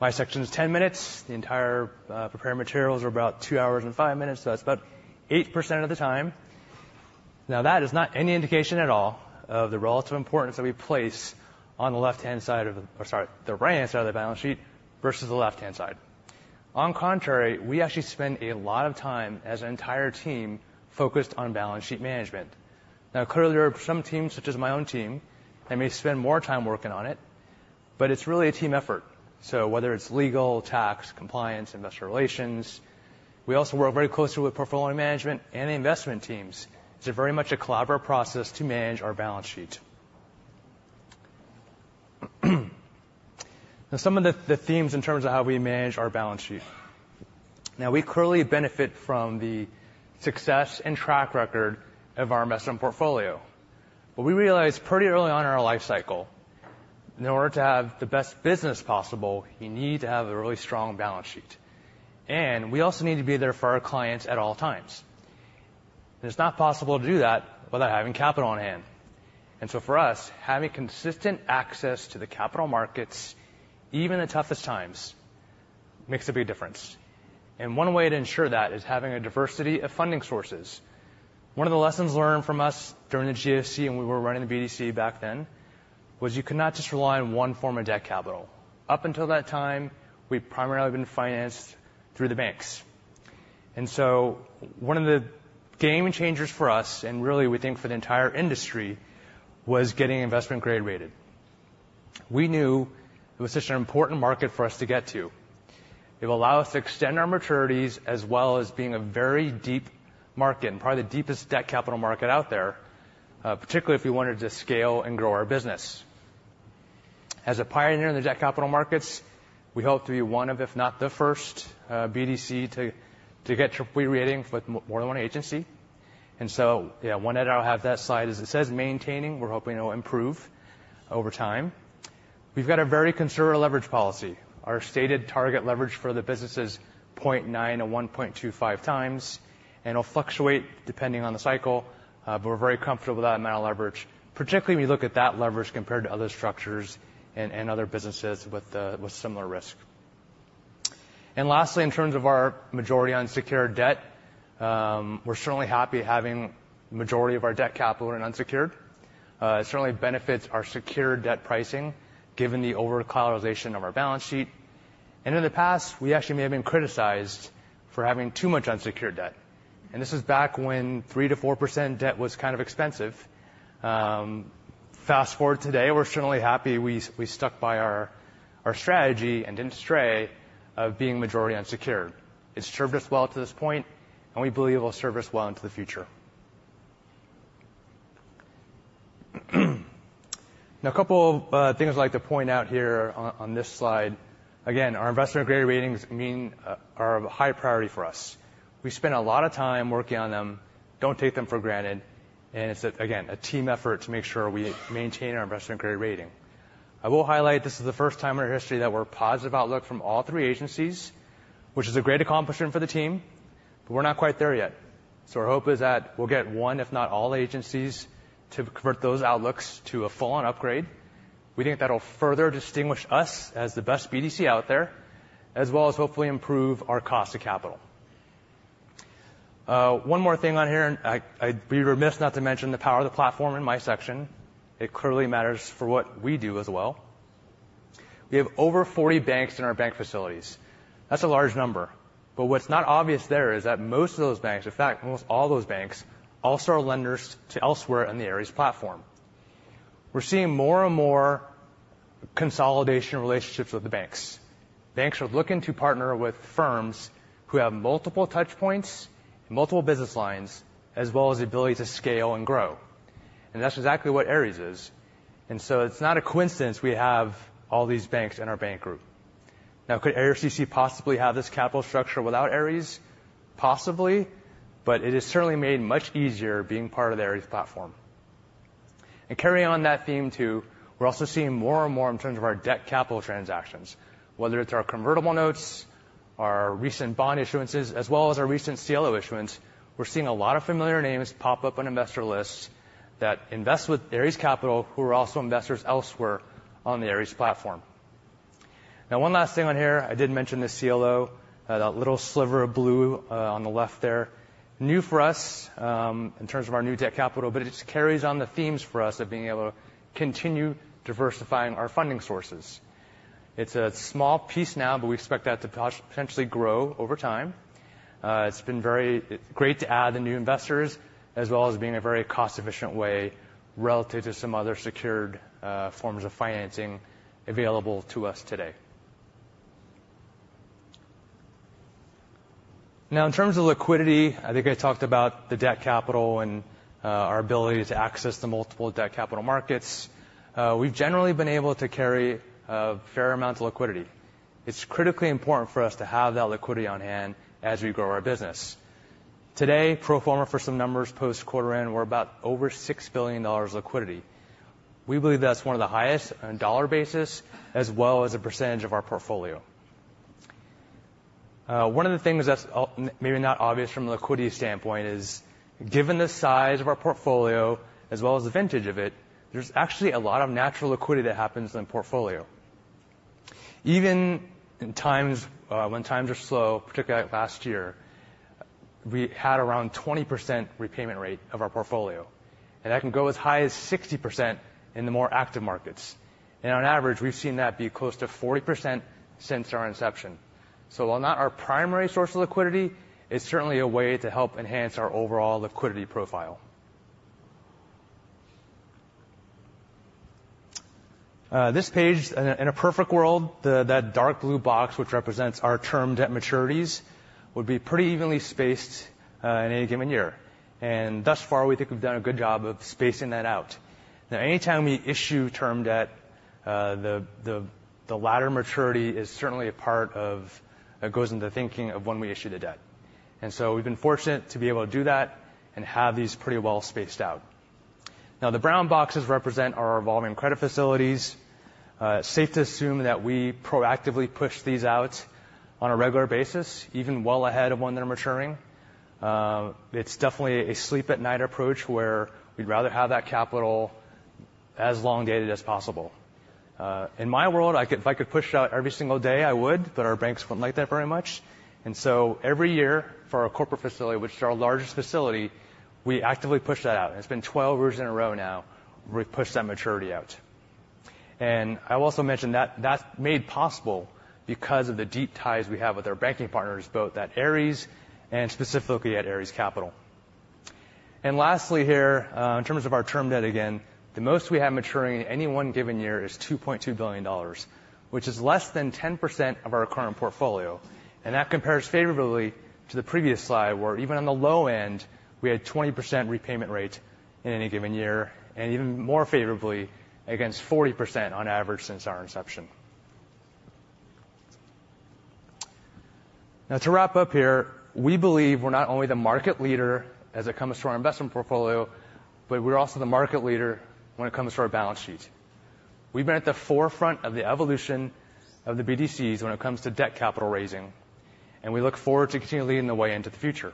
my section is 10 minutes. The entire, prepared materials are about 2 hours and 5 minutes, so that's about 8% of the time. Now, that is not any indication at all of the relative importance that we place on the left-hand side of the, or sorry, the right-hand side of the balance sheet versus the left-hand side. On the contrary, we actually spend a lot of time as an entire team focused on balance sheet management. Now, clearly, there are some teams, such as my own team, that may spend more time working on it, but it's really a team effort. So whether it's legal, tax, compliance, investor relations, we also work very closely with portfolio management and the investment teams. It's very much a collaborative process to manage our balance sheet. Now, some of the themes in terms of how we manage our balance sheet. Now, we currently benefit from the success and track record of our investment portfolio. But we realized pretty early on in our life cycle, in order to have the best business possible, you need to have a really strong balance sheet, and we also need to be there for our clients at all times. It's not possible to do that without having capital on hand. So for us, having consistent access to the capital markets, even in the toughest times, makes a big difference. One way to ensure that is having a diversity of funding sources. One of the lessons learned from us during the GFC, and we were running the BDC back then, was you cannot just rely on one form of debt capital. Up until that time, we've primarily been financed through the banks. So one of the game changers for us, and really, we think for the entire industry, was getting investment grade rated. We knew it was such an important market for us to get to. It will allow us to extend our maturities, as well as being a very deep market and probably the deepest debt capital market out there, particularly if we wanted to scale and grow our business. As a pioneer in the debt capital markets, we hope to be one of, if not, the first, BDC to get Triple-B rating with more than one agency. And so, yeah, one that I'll have that slide, as it says, "Maintaining," we're hoping it'll improve over time. We've got a very conservative leverage policy. Our stated target leverage for the business is 0.9-1.25 times, and it'll fluctuate depending on the cycle. But we're very comfortable with that amount of leverage, particularly when you look at that leverage compared to other structures and, and other businesses with, with similar risk. And lastly, in terms of our majority unsecured debt, we're certainly happy having majority of our debt capital in unsecured. It certainly benefits our secured debt pricing, given the overall collateralization of our balance sheet. And in the past, we actually may have been criticized for having too much unsecured debt, and this is back when 3%-4% debt was kind of expensive. Fast-forward today, we're certainly happy we, we stuck by our, our strategy and didn't stray from being majority unsecured. It's served us well to this point, and we believe it will serve us well into the future. Now, a couple of things I'd like to point out here on, on this slide. Again, our investment grade ratings mean are of a high priority for us. We spend a lot of time working on them, don't take them for granted, and it's, again, a team effort to make sure we maintain our investment grade rating. I will highlight, this is the first time in our history that we're positive outlook from all three agencies, which is a great accomplishment for the team, but we're not quite there yet. So our hope is that we'll get one, if not all, agencies, to convert those outlooks to a full-on upgrade. We think that'll further distinguish us as the best BDC out there, as well as hopefully improve our cost of capital. One more thing on here, and I, I'd be remiss not to mention the power of the platform in my section. It clearly matters for what we do as well. We have over 40 banks in our bank facilities. That's a large number, but what's not obvious there is that most of those banks, in fact, almost all those banks, also are lenders to elsewhere in the Ares platform. We're seeing more and more consolidation relationships with the banks. Banks are looking to partner with firms who have multiple touch points, multiple business lines, as well as the ability to scale and grow, and that's exactly what Ares is. And so it's not a coincidence we have all these banks in our bank group. Now, could ARCC possibly have this capital structure without Ares? Possibly, but it is certainly made much easier being part of the Ares platform. Carrying on that theme, too, we're also seeing more and more in terms of our debt capital transactions. Whether it's our convertible notes, our recent bond issuances, as well as our recent CLO issuance, we're seeing a lot of familiar names pop up on investor lists that invest with Ares Capital, who are also investors elsewhere on the Ares platform. Now, one last thing on here, I did mention the CLO, that little sliver of blue, on the left there. New for us, in terms of our new debt capital, but it just carries on the themes for us of being able to continue diversifying our funding sources. It's a small piece now, but we expect that to potentially grow over time. It's been very great to add the new investors, as well as being a very cost-efficient way relative to some other secured forms of financing available to us today. Now, in terms of liquidity, I think I talked about the debt capital and our ability to access the multiple debt capital markets. We've generally been able to carry a fair amount of liquidity. It's critically important for us to have that liquidity on hand as we grow our business. Today, pro forma, for some numbers, post quarter end, we're about over $6 billion liquidity. We believe that's one of the highest on a dollar basis, as well as a percentage of our portfolio. One of the things that's maybe not obvious from a liquidity standpoint is, given the size of our portfolio, as well as the vintage of it, there's actually a lot of natural liquidity that happens in the portfolio. Even in times when times are slow, particularly like last year we had around 20% repayment rate of our portfolio, and that can go as high as 60% in the more active markets. On average, we've seen that be close to 40% since our inception. So while not our primary source of liquidity, it's certainly a way to help enhance our overall liquidity profile. This page, in a perfect world, the dark blue box, which represents our term debt maturities, would be pretty evenly spaced in any given year. Thus far, we think we've done a good job of spacing that out. Now, anytime we issue term debt, the latter maturity is certainly a part of goes into thinking of when we issue the debt. And so we've been fortunate to be able to do that and have these pretty well spaced out. Now, the brown boxes represent our evolving credit facilities. Safe to assume that we proactively push these out on a regular basis, even well ahead of when they're maturing. It's definitely a sleep at night approach, where we'd rather have that capital as long dated as possible. In my world, I could, if I could push it out every single day, I would, but our banks wouldn't like that very much. Every year for our corporate facility, which is our largest facility, we actively push that out. And it's been 12 years in a row now, we've pushed that maturity out. And I will also mention that that's made possible because of the deep ties we have with our banking partners, both at Ares and specifically at Ares Capital. And lastly here, in terms of our term debt, again, the most we have maturing in any one given year is $2.2 billion, which is less than 10% of our current portfolio. And that compares favorably to the previous slide, where even on the low end, we had 20% repayment rate in any given year, and even more favorably against 40% on average since our inception. Now, to wrap up here, we believe we're not only the market leader as it comes to our investment portfolio, but we're also the market leader when it comes to our balance sheet. We've been at the forefront of the evolution of the BDCs when it comes to debt capital raising, and we look forward to continuing leading the way into the future.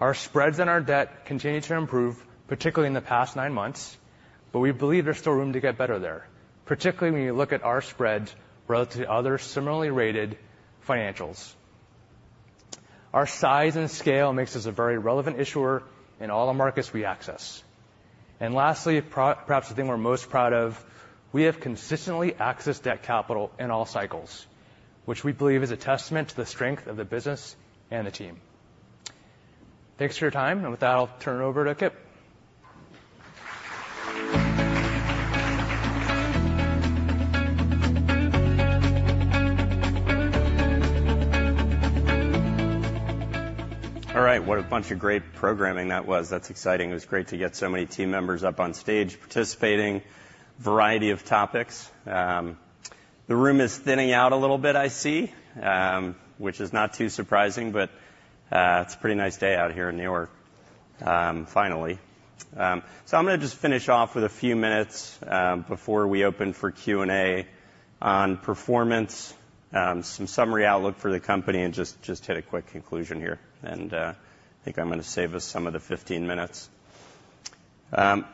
Our spreads and our debt continue to improve, particularly in the past nine months, but we believe there's still room to get better there, particularly when you look at our spread relative to other similarly rated financials. Our size and scale makes us a very relevant issuer in all the markets we access. And lastly, perhaps the thing we're most proud of, we have consistently accessed debt capital in all cycles, which we believe is a testament to the strength of the business and the team. Thanks for your time, and with that, I'll turn it over to Kipp. All right. What a bunch of great programming that was. That's exciting. It was great to get so many team members up on stage, participating, variety of topics. The room is thinning out a little bit, I see, which is not too surprising, but it's a pretty nice day out here in New York, finally. So I'm gonna just finish off with a few minutes before we open for Q&A on performance, some summary outlook for the company, and just, just hit a quick conclusion here. And I think I'm gonna save us some of the 15 minutes. A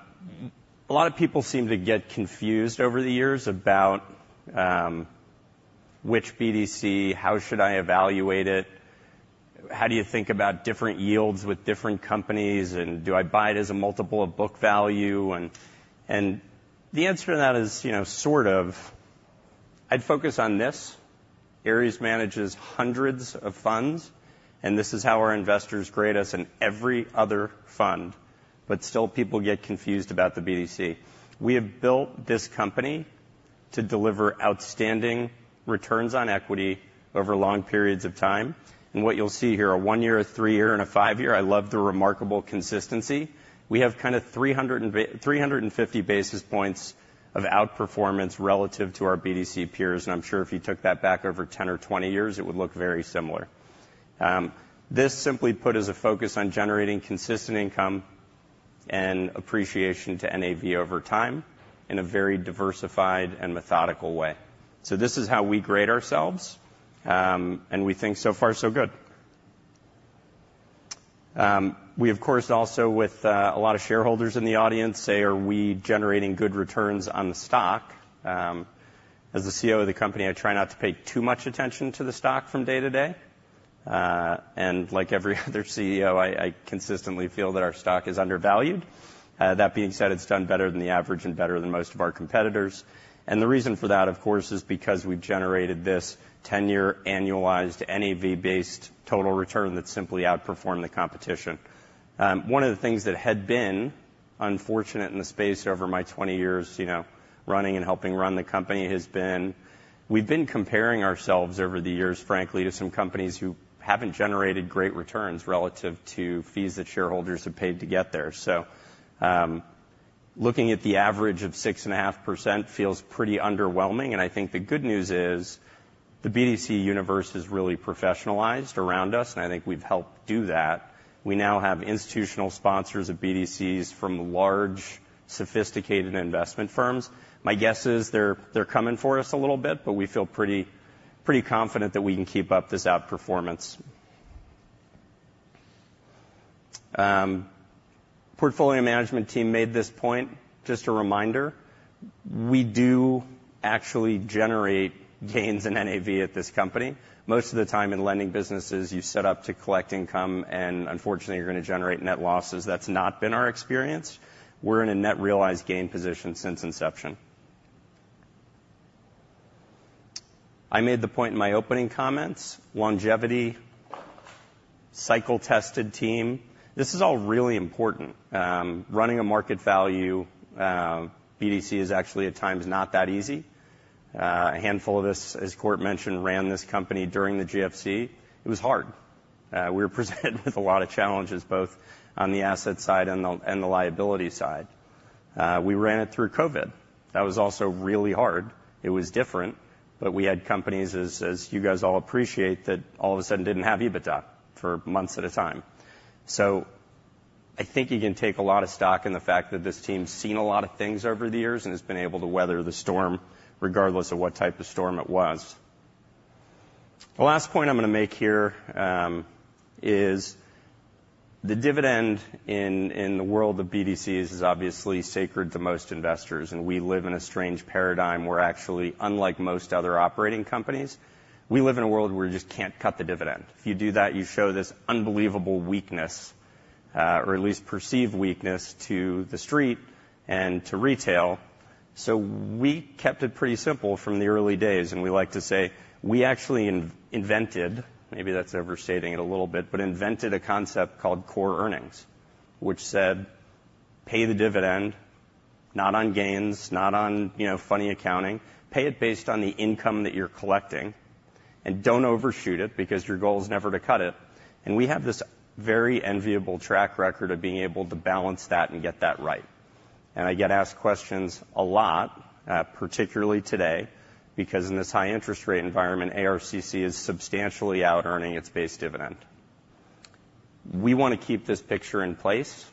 lot of people seem to get confused over the years about which BDC, how should I evaluate it? How do you think about different yields with different companies? And do I buy it as a multiple of book value? The answer to that is, you know, sort of. I'd focus on this. Ares manages hundreds of funds, and this is how our investors grade us in every other fund, but still people get confused about the BDC. We have built this company to deliver outstanding returns on equity over long periods of time. What you'll see here, a 1-year, a 3-year, and a 5-year, I love the remarkable consistency. We have kind of 350 basis points of outperformance relative to our BDC peers, and I'm sure if you took that back over 10 or 20 years, it would look very similar. This simply put is a focus on generating consistent income and appreciation to NAV over time in a very diversified and methodical way. So this is how we grade ourselves, and we think so far, so good. We, of course, also, with a lot of shareholders in the audience, say, are we generating good returns on the stock? As the CEO of the company, I try not to pay too much attention to the stock from day to day. And like every other CEO, I, I consistently feel that our stock is undervalued. That being said, it's done better than the average and better than most of our competitors. And the reason for that, of course, is because we've generated this 10-year annualized, NAV-based total return that simply outperformed the competition. One of the things that had been unfortunate in the space over my 20 years, you know, running and helping run the company has been, we've been comparing ourselves over the years, frankly, to some companies who haven't generated great returns relative to fees that shareholders have paid to get there. So, looking at the average of 6.5% feels pretty underwhelming, and I think the good news is, the BDC universe has really professionalized around us, and I think we've helped do that. We now have institutional sponsors of BDCs from large, sophisticated investment firms. My guess is they're, they're coming for us a little bit, but we feel pretty, pretty confident that we can keep up this outperformance. Portfolio management team made this point, just a reminder, we do actually generate gains in NAV at this company. Most of the time in lending businesses, you set up to collect income, and unfortunately, you're going to generate net losses. That's not been our experience. We're in a net realized gain position since inception. I made the point in my opening comments, longevity, cycle-tested team, this is all really important. Running a market value BDC is actually, at times, not that easy. A handful of us, as Kort mentioned, ran this company during the GFC. It was hard. We were presented with a lot of challenges, both on the asset side and the liability side. We ran it through COVID. That was also really hard. It was different, but we had companies, as you guys all appreciate, that all of a sudden didn't have EBITDA for months at a time. So I think you can take a lot of stock in the fact that this team's seen a lot of things over the years, and has been able to weather the storm, regardless of what type of storm it was. The last point I'm gonna make here is the dividend in the world of BDCs is obviously sacred to most investors, and we live in a strange paradigm where actually, unlike most other operating companies, we live in a world where you just can't cut the dividend. If you do that, you show this unbelievable weakness, or at least perceived weakness, to the Street and to retail. So we kept it pretty simple from the early days, and we like to say, we actually invented, maybe that's overstating it a little bit, but invented a concept called core earnings, which said, "Pay the dividend, not on gains, not on, you know, funny accounting. Pay it based on the income that you're collecting, and don't overshoot it, because your goal is never to cut it." And we have this very enviable track record of being able to balance that and get that right. And I get asked questions a lot, particularly today, because in this high interest rate environment, ARCC is substantially out-earning its base dividend. We wanna keep this picture in place.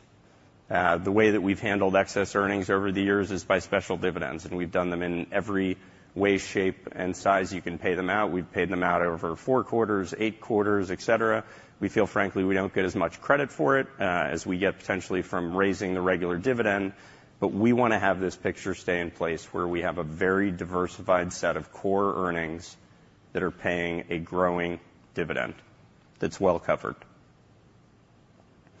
The way that we've handled excess earnings over the years is by special dividends, and we've done them in every way, shape, and size you can pay them out. We've paid them out over 4 quarters, 8 quarters, et cetera. We feel, frankly, we don't get as much credit for it, as we get potentially from raising the regular dividend, but we wanna have this picture stay in place, where we have a very diversified set of core earnings that are paying a growing dividend that's well covered.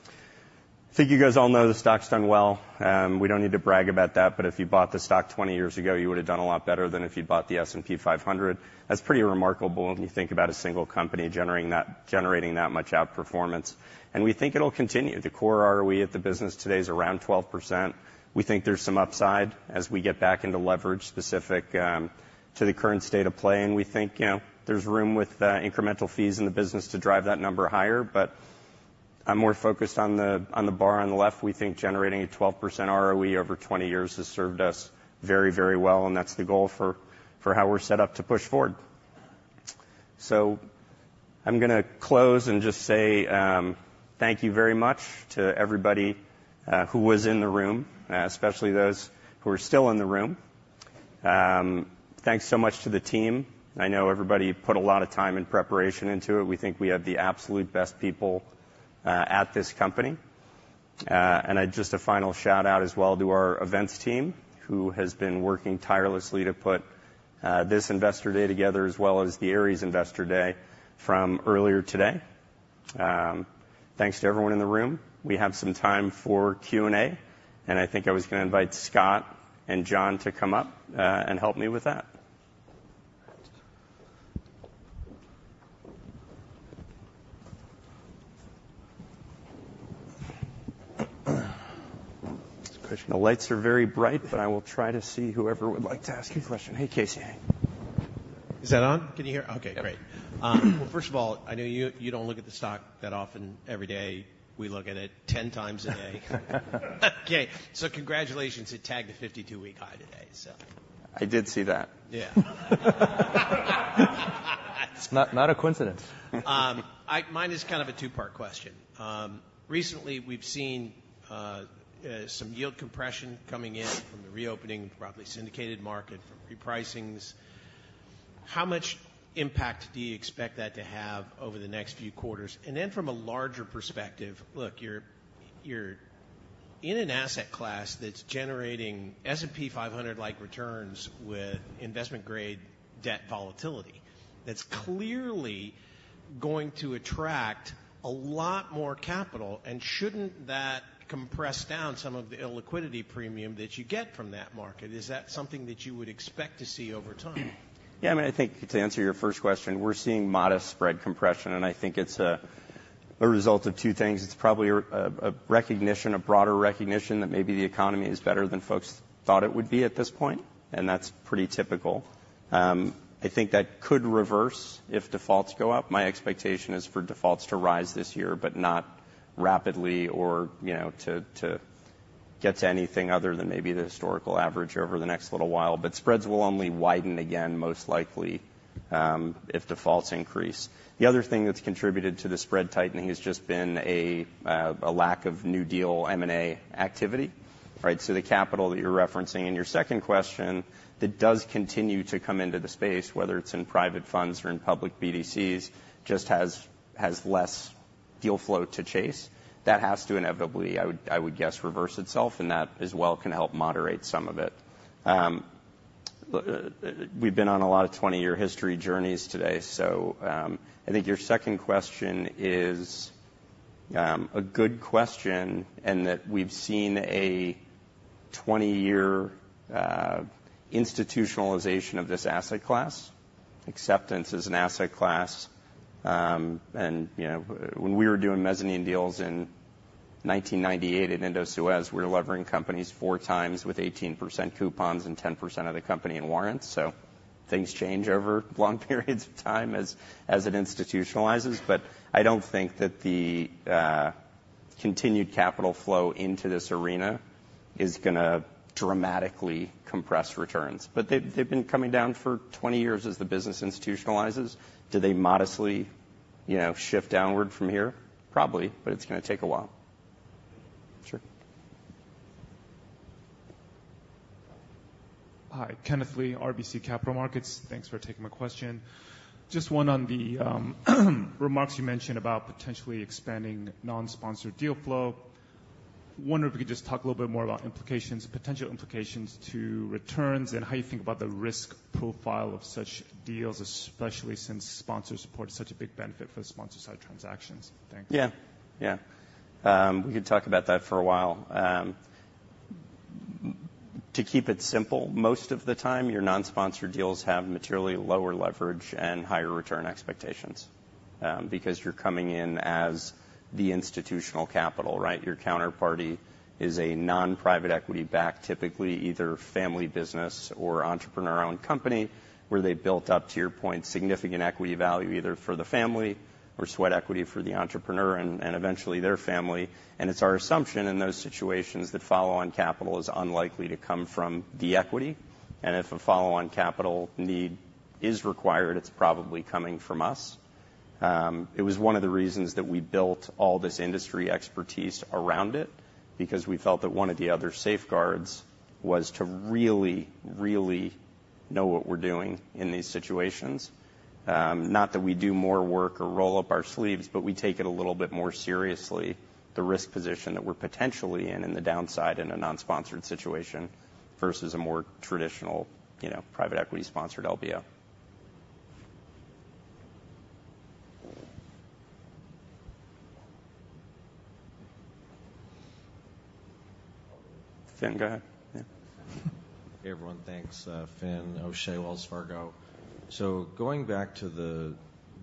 I think you guys all know the stock's done well. We don't need to brag about that, but if you bought the stock 20 years ago, you would have done a lot better than if you'd bought the S&P 500. That's pretty remarkable when you think about a single company generating that, generating that much outperformance, and we think it'll continue. The core ROE at the business today is around 12%. We think there's some upside as we get back into leverage specific to the current state of play, and we think, you know, there's room with incremental fees in the business to drive that number higher. But I'm more focused on the bar on the left. We think generating a 12% ROE over 20 years has served us very, very well, and that's the goal for how we're set up to push forward. So I'm gonna close and just say thank you very much to everybody who was in the room, especially those who are still in the room. Thanks so much to the team. I know everybody put a lot of time and preparation into it. We think we have the absolute best people at this company. And just a final shout-out as well to our events team, who has been working tirelessly to put this Investor Day together, as well as the Ares Investor Day from earlier today. Thanks to everyone in the room. We have some time for Q&A, and I think I was gonna invite Scott and John to come up and help me with that. The lights are very bright, but I will try to see whoever would like to ask a question. Hey, Casey. Is that on? Can you hear? Okay, great. Yep. Well, first of all, I know you, you don't look at the stock that often every day. We look at it 10 times a day. Okay, so congratulations. It tagged the 52-week high today, so. I did see that. Yeah. It's not a coincidence. Mine is kind of a two-part question. Recently we've seen some yield compression coming in from the reopening, broadly syndicated market, from repricings. How much impact do you expect that to have over the next few quarters? And then from a larger perspective, look, you're, you're in an asset class that's generating S&P 500-like returns with investment-grade debt volatility. That's clearly going to attract a lot more capital, and shouldn't that compress down some of the illiquidity premium that you get from that market? Is that something that you would expect to see over time? Yeah, I mean, I think to answer your first question, we're seeing modest spread compression, and I think it's a result of two things. It's probably a recognition, a broader recognition, that maybe the economy is better than folks thought it would be at this point, and that's pretty typical. I think that could reverse if defaults go up. My expectation is for defaults to rise this year, but not rapidly or, you know, to get to anything other than maybe the historical average over the next little while. But spreads will only widen again, most likely, if defaults increase. The other thing that's contributed to the spread tightening has just been a lack of new deal M&A activity, right? So the capital that you're referencing in your second question, that does continue to come into the space, whether it's in private funds or in public BDCs, just has less deal flow to chase, that has to inevitably, I would guess, reverse itself, and that as well can help moderate some of it. We've been on a lot of 20-year history journeys today, I think your second question is a good question, and that we've seen a 20-year institutionalization of this asset class, acceptance as an asset class. And, you know, when we were doing mezzanine deals in 1998 at Indosuez, we were levering companies 4x with 18% coupons and 10% of the company in warrants. So things change over long periods of time as it institutionalizes. But I don't think that the continued capital flow into this arena is gonna dramatically compress returns. But they've been coming down for 20 years as the business institutionalizes. Do they modestly, you know, shift downward from here? Probably, but it's gonna take a while. Sure. Hi, Kenneth Lee, RBC Capital Markets. Thanks for taking my question. Just one on the remarks you mentioned about potentially expanding non-sponsor deal flow. Wondering if you could just talk a little bit more about implications, potential implications to returns, and how you think about the risk profile of such deals, especially since sponsor support is such a big benefit for the sponsor-side transactions. Thanks. Yeah. Yeah. To keep it simple, most of the time, your non-sponsor deals have materially lower leverage and higher return expectations, because you're coming in as the institutional capital, right? Your counterparty is non-private equity back, typically either family business or entrepreneur-owned company, where they've built up, to your point, significant equity value, either for the family or sweat equity for the entrepreneur and, and eventually their family. And it's our assumption in those situations that follow-on capital is unlikely to come from the equity, and if a follow-on capital need is required, it's probably coming from us. It was one of the reasons that we built all this industry expertise around it, because we felt that one of the other safeguards was to really, really know what we're doing in these situations. Not that we do more work or roll up our sleeves, but we take it a little bit more seriously, the risk position that we're potentially in, in the downside, in a non-sponsored situation versus a more traditional, you private equity-sponsored LBO. Finn, go ahead. Hey, everyone. Thanks, Finn O'Shea, Wells Fargo. So going back to the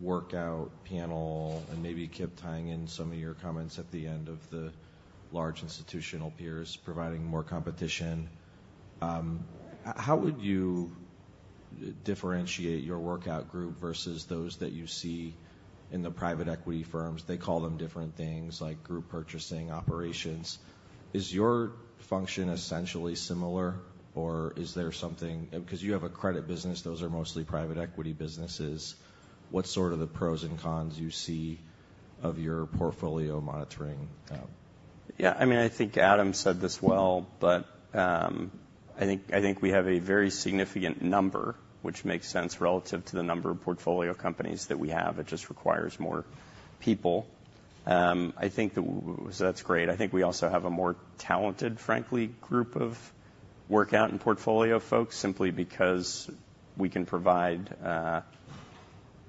workout panel, and maybe, Kipp, tying in some of your comments at the end of the large institutional peers providing more competition, how would you differentiate your workout group versus those that you see in private equity firms? They call them different things, like group purchasing, operations. Is your function essentially similar, or is there something. Because you have a credit business, those are private equity businesses. What's sort of the pros and cons you see of your portfolio monitoring? Yeah, I mean, I think Adam said this well, but I think we have a very significant number, which makes sense relative to the number of portfolio companies that we have. It just requires more people. I think that's great. I think we also have a more talented, frankly, group of workout and portfolio folks, simply because we can provide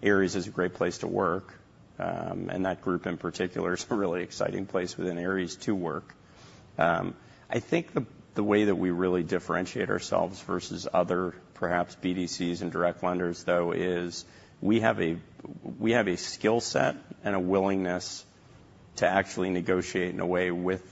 Ares is a great place to work, and that group, in particular, is a really exciting place within Ares to work. I think the way that we really differentiate ourselves versus other, perhaps BDCs and direct lenders, though, is we have a skill set and a willingness to actually negotiate in a way with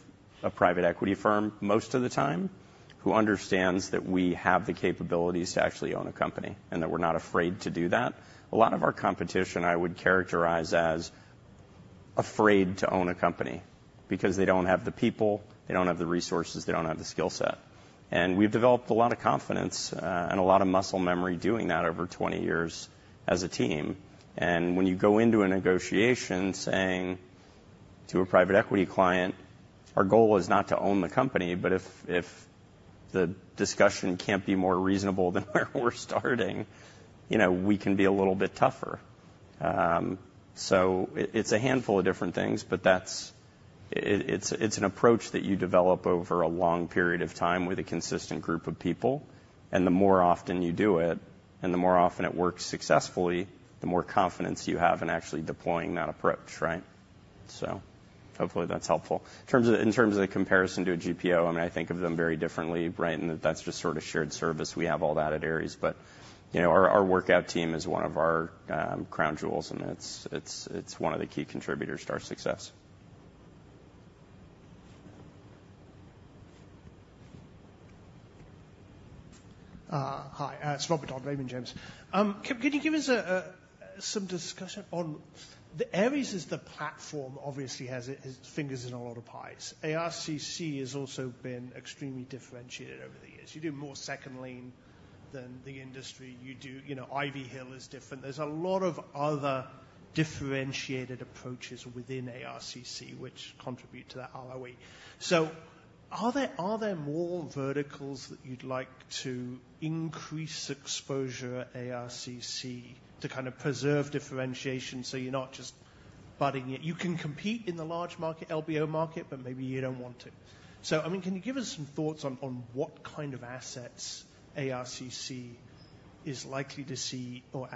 private equity firm, most of the time, who understands that we have the capabilities to actually own a company, and that we're not afraid to do that. A lot of our competition, I would characterize as afraid to own a company because they don't have the people, they don't have the resources, they don't have the skill set. We've developed a lot of confidence, and a lot of muscle memory doing that over 20 years as a team. And when you go into a negotiation saying to private equity client, "Our goal is not to own the company, but if the discussion can't be more reasonable than where we're starting, you know, we can be a little bit tougher." So it's a handful of different things, but that's, it's an approach that you develop over a long period of time with a consistent group of people, and the more often you do it, and the more often it works successfully, the more confidence you have in actually deploying that approach, right? So hopefully that's helpful. In terms of the comparison to a GPO, I mean, I think of them very differently, right? That's just sort of shared service. We have all that at Ares, but, you know, our workout team is one of our crown jewels, and it's one of the key contributors to our success. Hi, it's Robert Dodd Raymond James. Kipp, can you give us some discussion on the Ares as the platform obviously has its fingers in a lot of pies. ARCC has also been extremely differentiated over the years. You do more second lien than the industry. You know, Ivy Hill is different. There's a lot of other differentiated approaches within ARCC, which contribute to that ROE. Are there more verticals that you'd like to increase exposure at ARCC to kind of preserve differentiation so you're not just budding it? You can compete in the large market, LBO market, but maybe you don't want to. So, I mean, can you give us some thoughts on what kind of assets ARCC is likely to see, or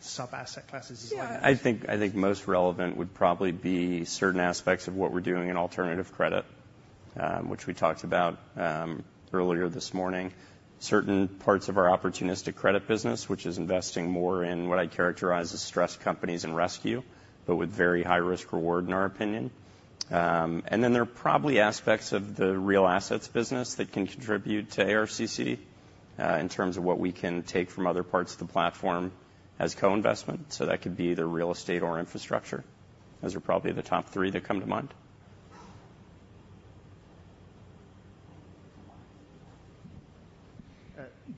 sub-asset classes as well? Yeah, I think, I think most relevant would probably be certain aspects of what we're doing in Alternative Credit, which we talked about earlier this morning. Certain parts of our Opportunistic Credit business, which is investing more in what I characterize as stressed companies and rescue, but with very high risk reward, in our opinion. And then there are probably aspects of the Real Assets business that can contribute to ARCC, in terms of what we can take from other parts of the platform as co-investment. So that could be either real estate or infrastructure. Those are probably the top three that come to mind.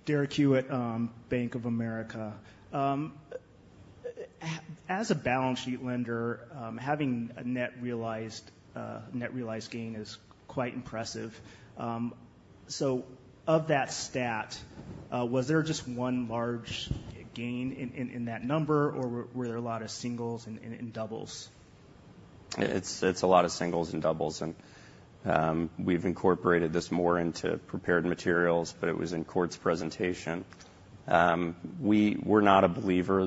Derek Hewett, Bank of America. As a balance sheet lender, having a net realized gain is quite impressive. So of that stat, was there just one large gain in that number, or were there a lot of singles and doubles? It's a lot of singles and doubles, and we've incorporated this more into prepared materials, but it was in Kort's presentation. We're not a believer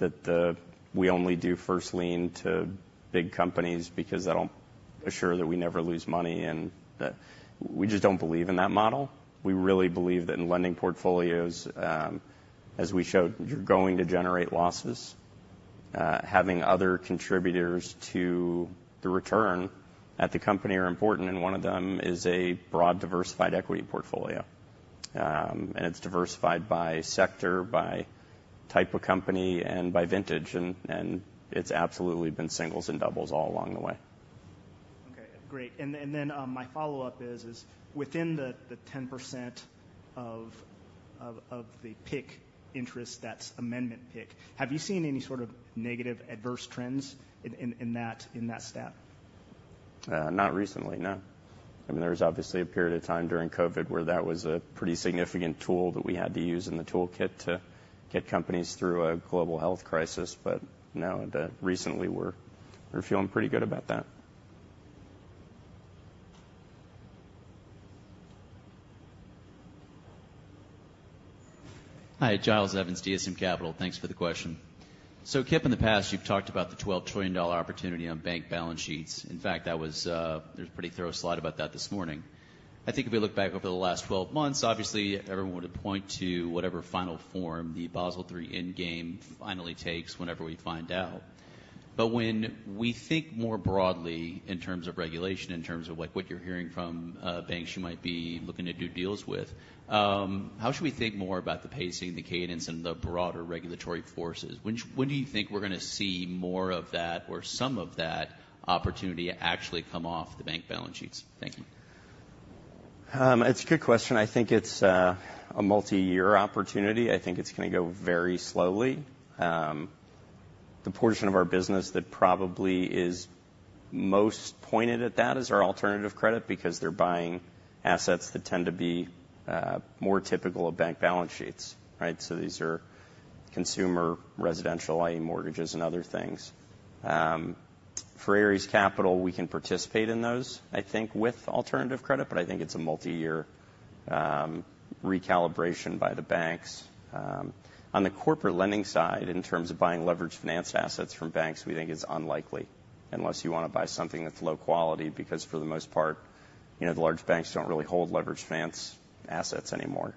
that we only do first lien to big companies because that'll assure that we never lose money, and we just don't believe in that model. We really believe that in lending portfolios, as we showed, you're going to generate losses. Having other contributors to the return at the company are important, and one of them is a broad, diversified equity portfolio. And it's diversified by sector, by type of company, and by vintage, and it's absolutely been singles and doubles all along the way. Okay, great. And then my follow-up is within the 10% of the PIK interest, that's amendment PIK, have you seen any sort of negative adverse trends in that stat? Not recently, no. I mean, there was obviously a period of time during COVID where that was a pretty significant tool that we had to use in the toolkit to get companies through a global health crisis. But no, recently, we're feeling pretty good about that. Hi, Giles Evans, DSM Capital. Thanks for the question. So, Kipp, in the past, you've talked about the $12 trillion opportunity on bank balance sheets. In fact, that was, there was a pretty thorough slide about that this morning. I think if we look back over the last 12 months, obviously, everyone would point to whatever final form the Basel III Endgame finally takes whenever we find out. But when we think more broadly in terms of regulation, in terms of, like, what you're hearing from banks you might be looking to do deals with, how should we think more about the pacing, the cadence, and the broader regulatory forces? When do you think we're going to see more of that or some of that opportunity actually come off the bank balance sheets? Thank you. It's a good question. I think it's a multiyear opportunity. I think it's going to go very slowly. The portion of our business that probably is most pointed at that is our Alternative Credit, because they're buying assets that tend to be more typical of bank balance sheets, right? So these are consumer, residential, i.e., mortgages and other things. For Ares Capital, we can participate in those, I think, with Alternative Credit, but I think it's a multiyear recalibration by the banks. On the corporate lending side, in terms of buying leveraged finance assets from banks, we think is unlikely unless you want to buy something that's low quality, because for the most part, you know, the large banks don't really hold leveraged finance assets anymore.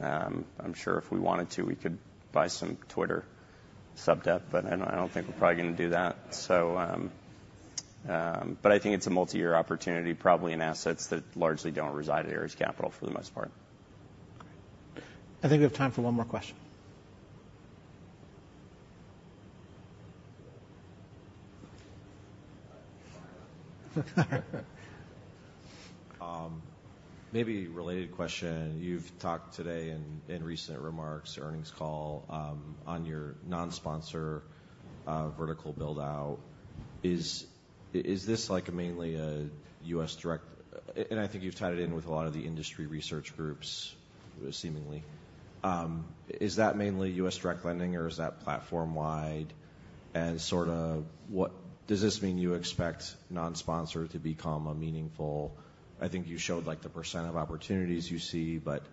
I'm sure if we wanted to, we could buy some Twitter sub debt, but I don't, I don't think we're probably going to do that. So, but I think it's a multi-year opportunity, probably in assets that largely don't reside at Ares Capital, for the most part. I think we have time for one more question. Maybe related question. You've talked today in recent remarks, earnings call, on your non-sponsor vertical build-out. Is this, like, mainly a U.S. direct and I think you've tied it in with a lot of the industry research groups, seemingly. Is that mainly direct lending, or is that platform-wide? And sort of, what does this mean you expect non-sponsor to become a meaningful. I think you showed, like, the percent of opportunities you see, but,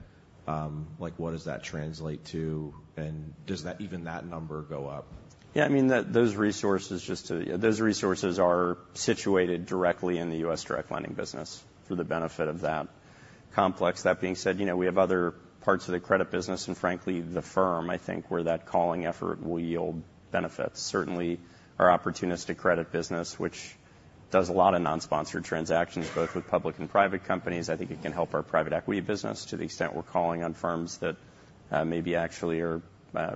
like, what does that translate to, and does that, even that number go up? Yeah, I mean, those resources are situated directly in the U.S. Direct Lending business for the benefit of that complex. That being said, you know, we have other parts of the credit business, and frankly, the firm, I think, where that calling effort will yield benefits. Certainly, our Opportunistic Credit business, which does a lot of non-sponsored transactions, both with public and private companies. I think it can help private equity business to the extent we're calling on firms that maybe actually are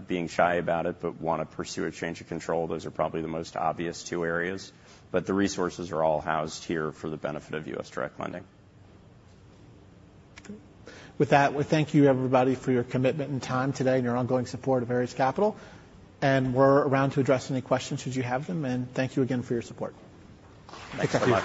being shy about it, but want to pursue a change of control. Those are probably the most obvious two areas, but the resources are all housed here for the benefit of U.S. Direct Lending. With that, we thank you, everybody, for your commitment and time today and your ongoing support of Ares Capital. We're around to address any questions, should you have them, and thank you again for your support. Thanks, everyone.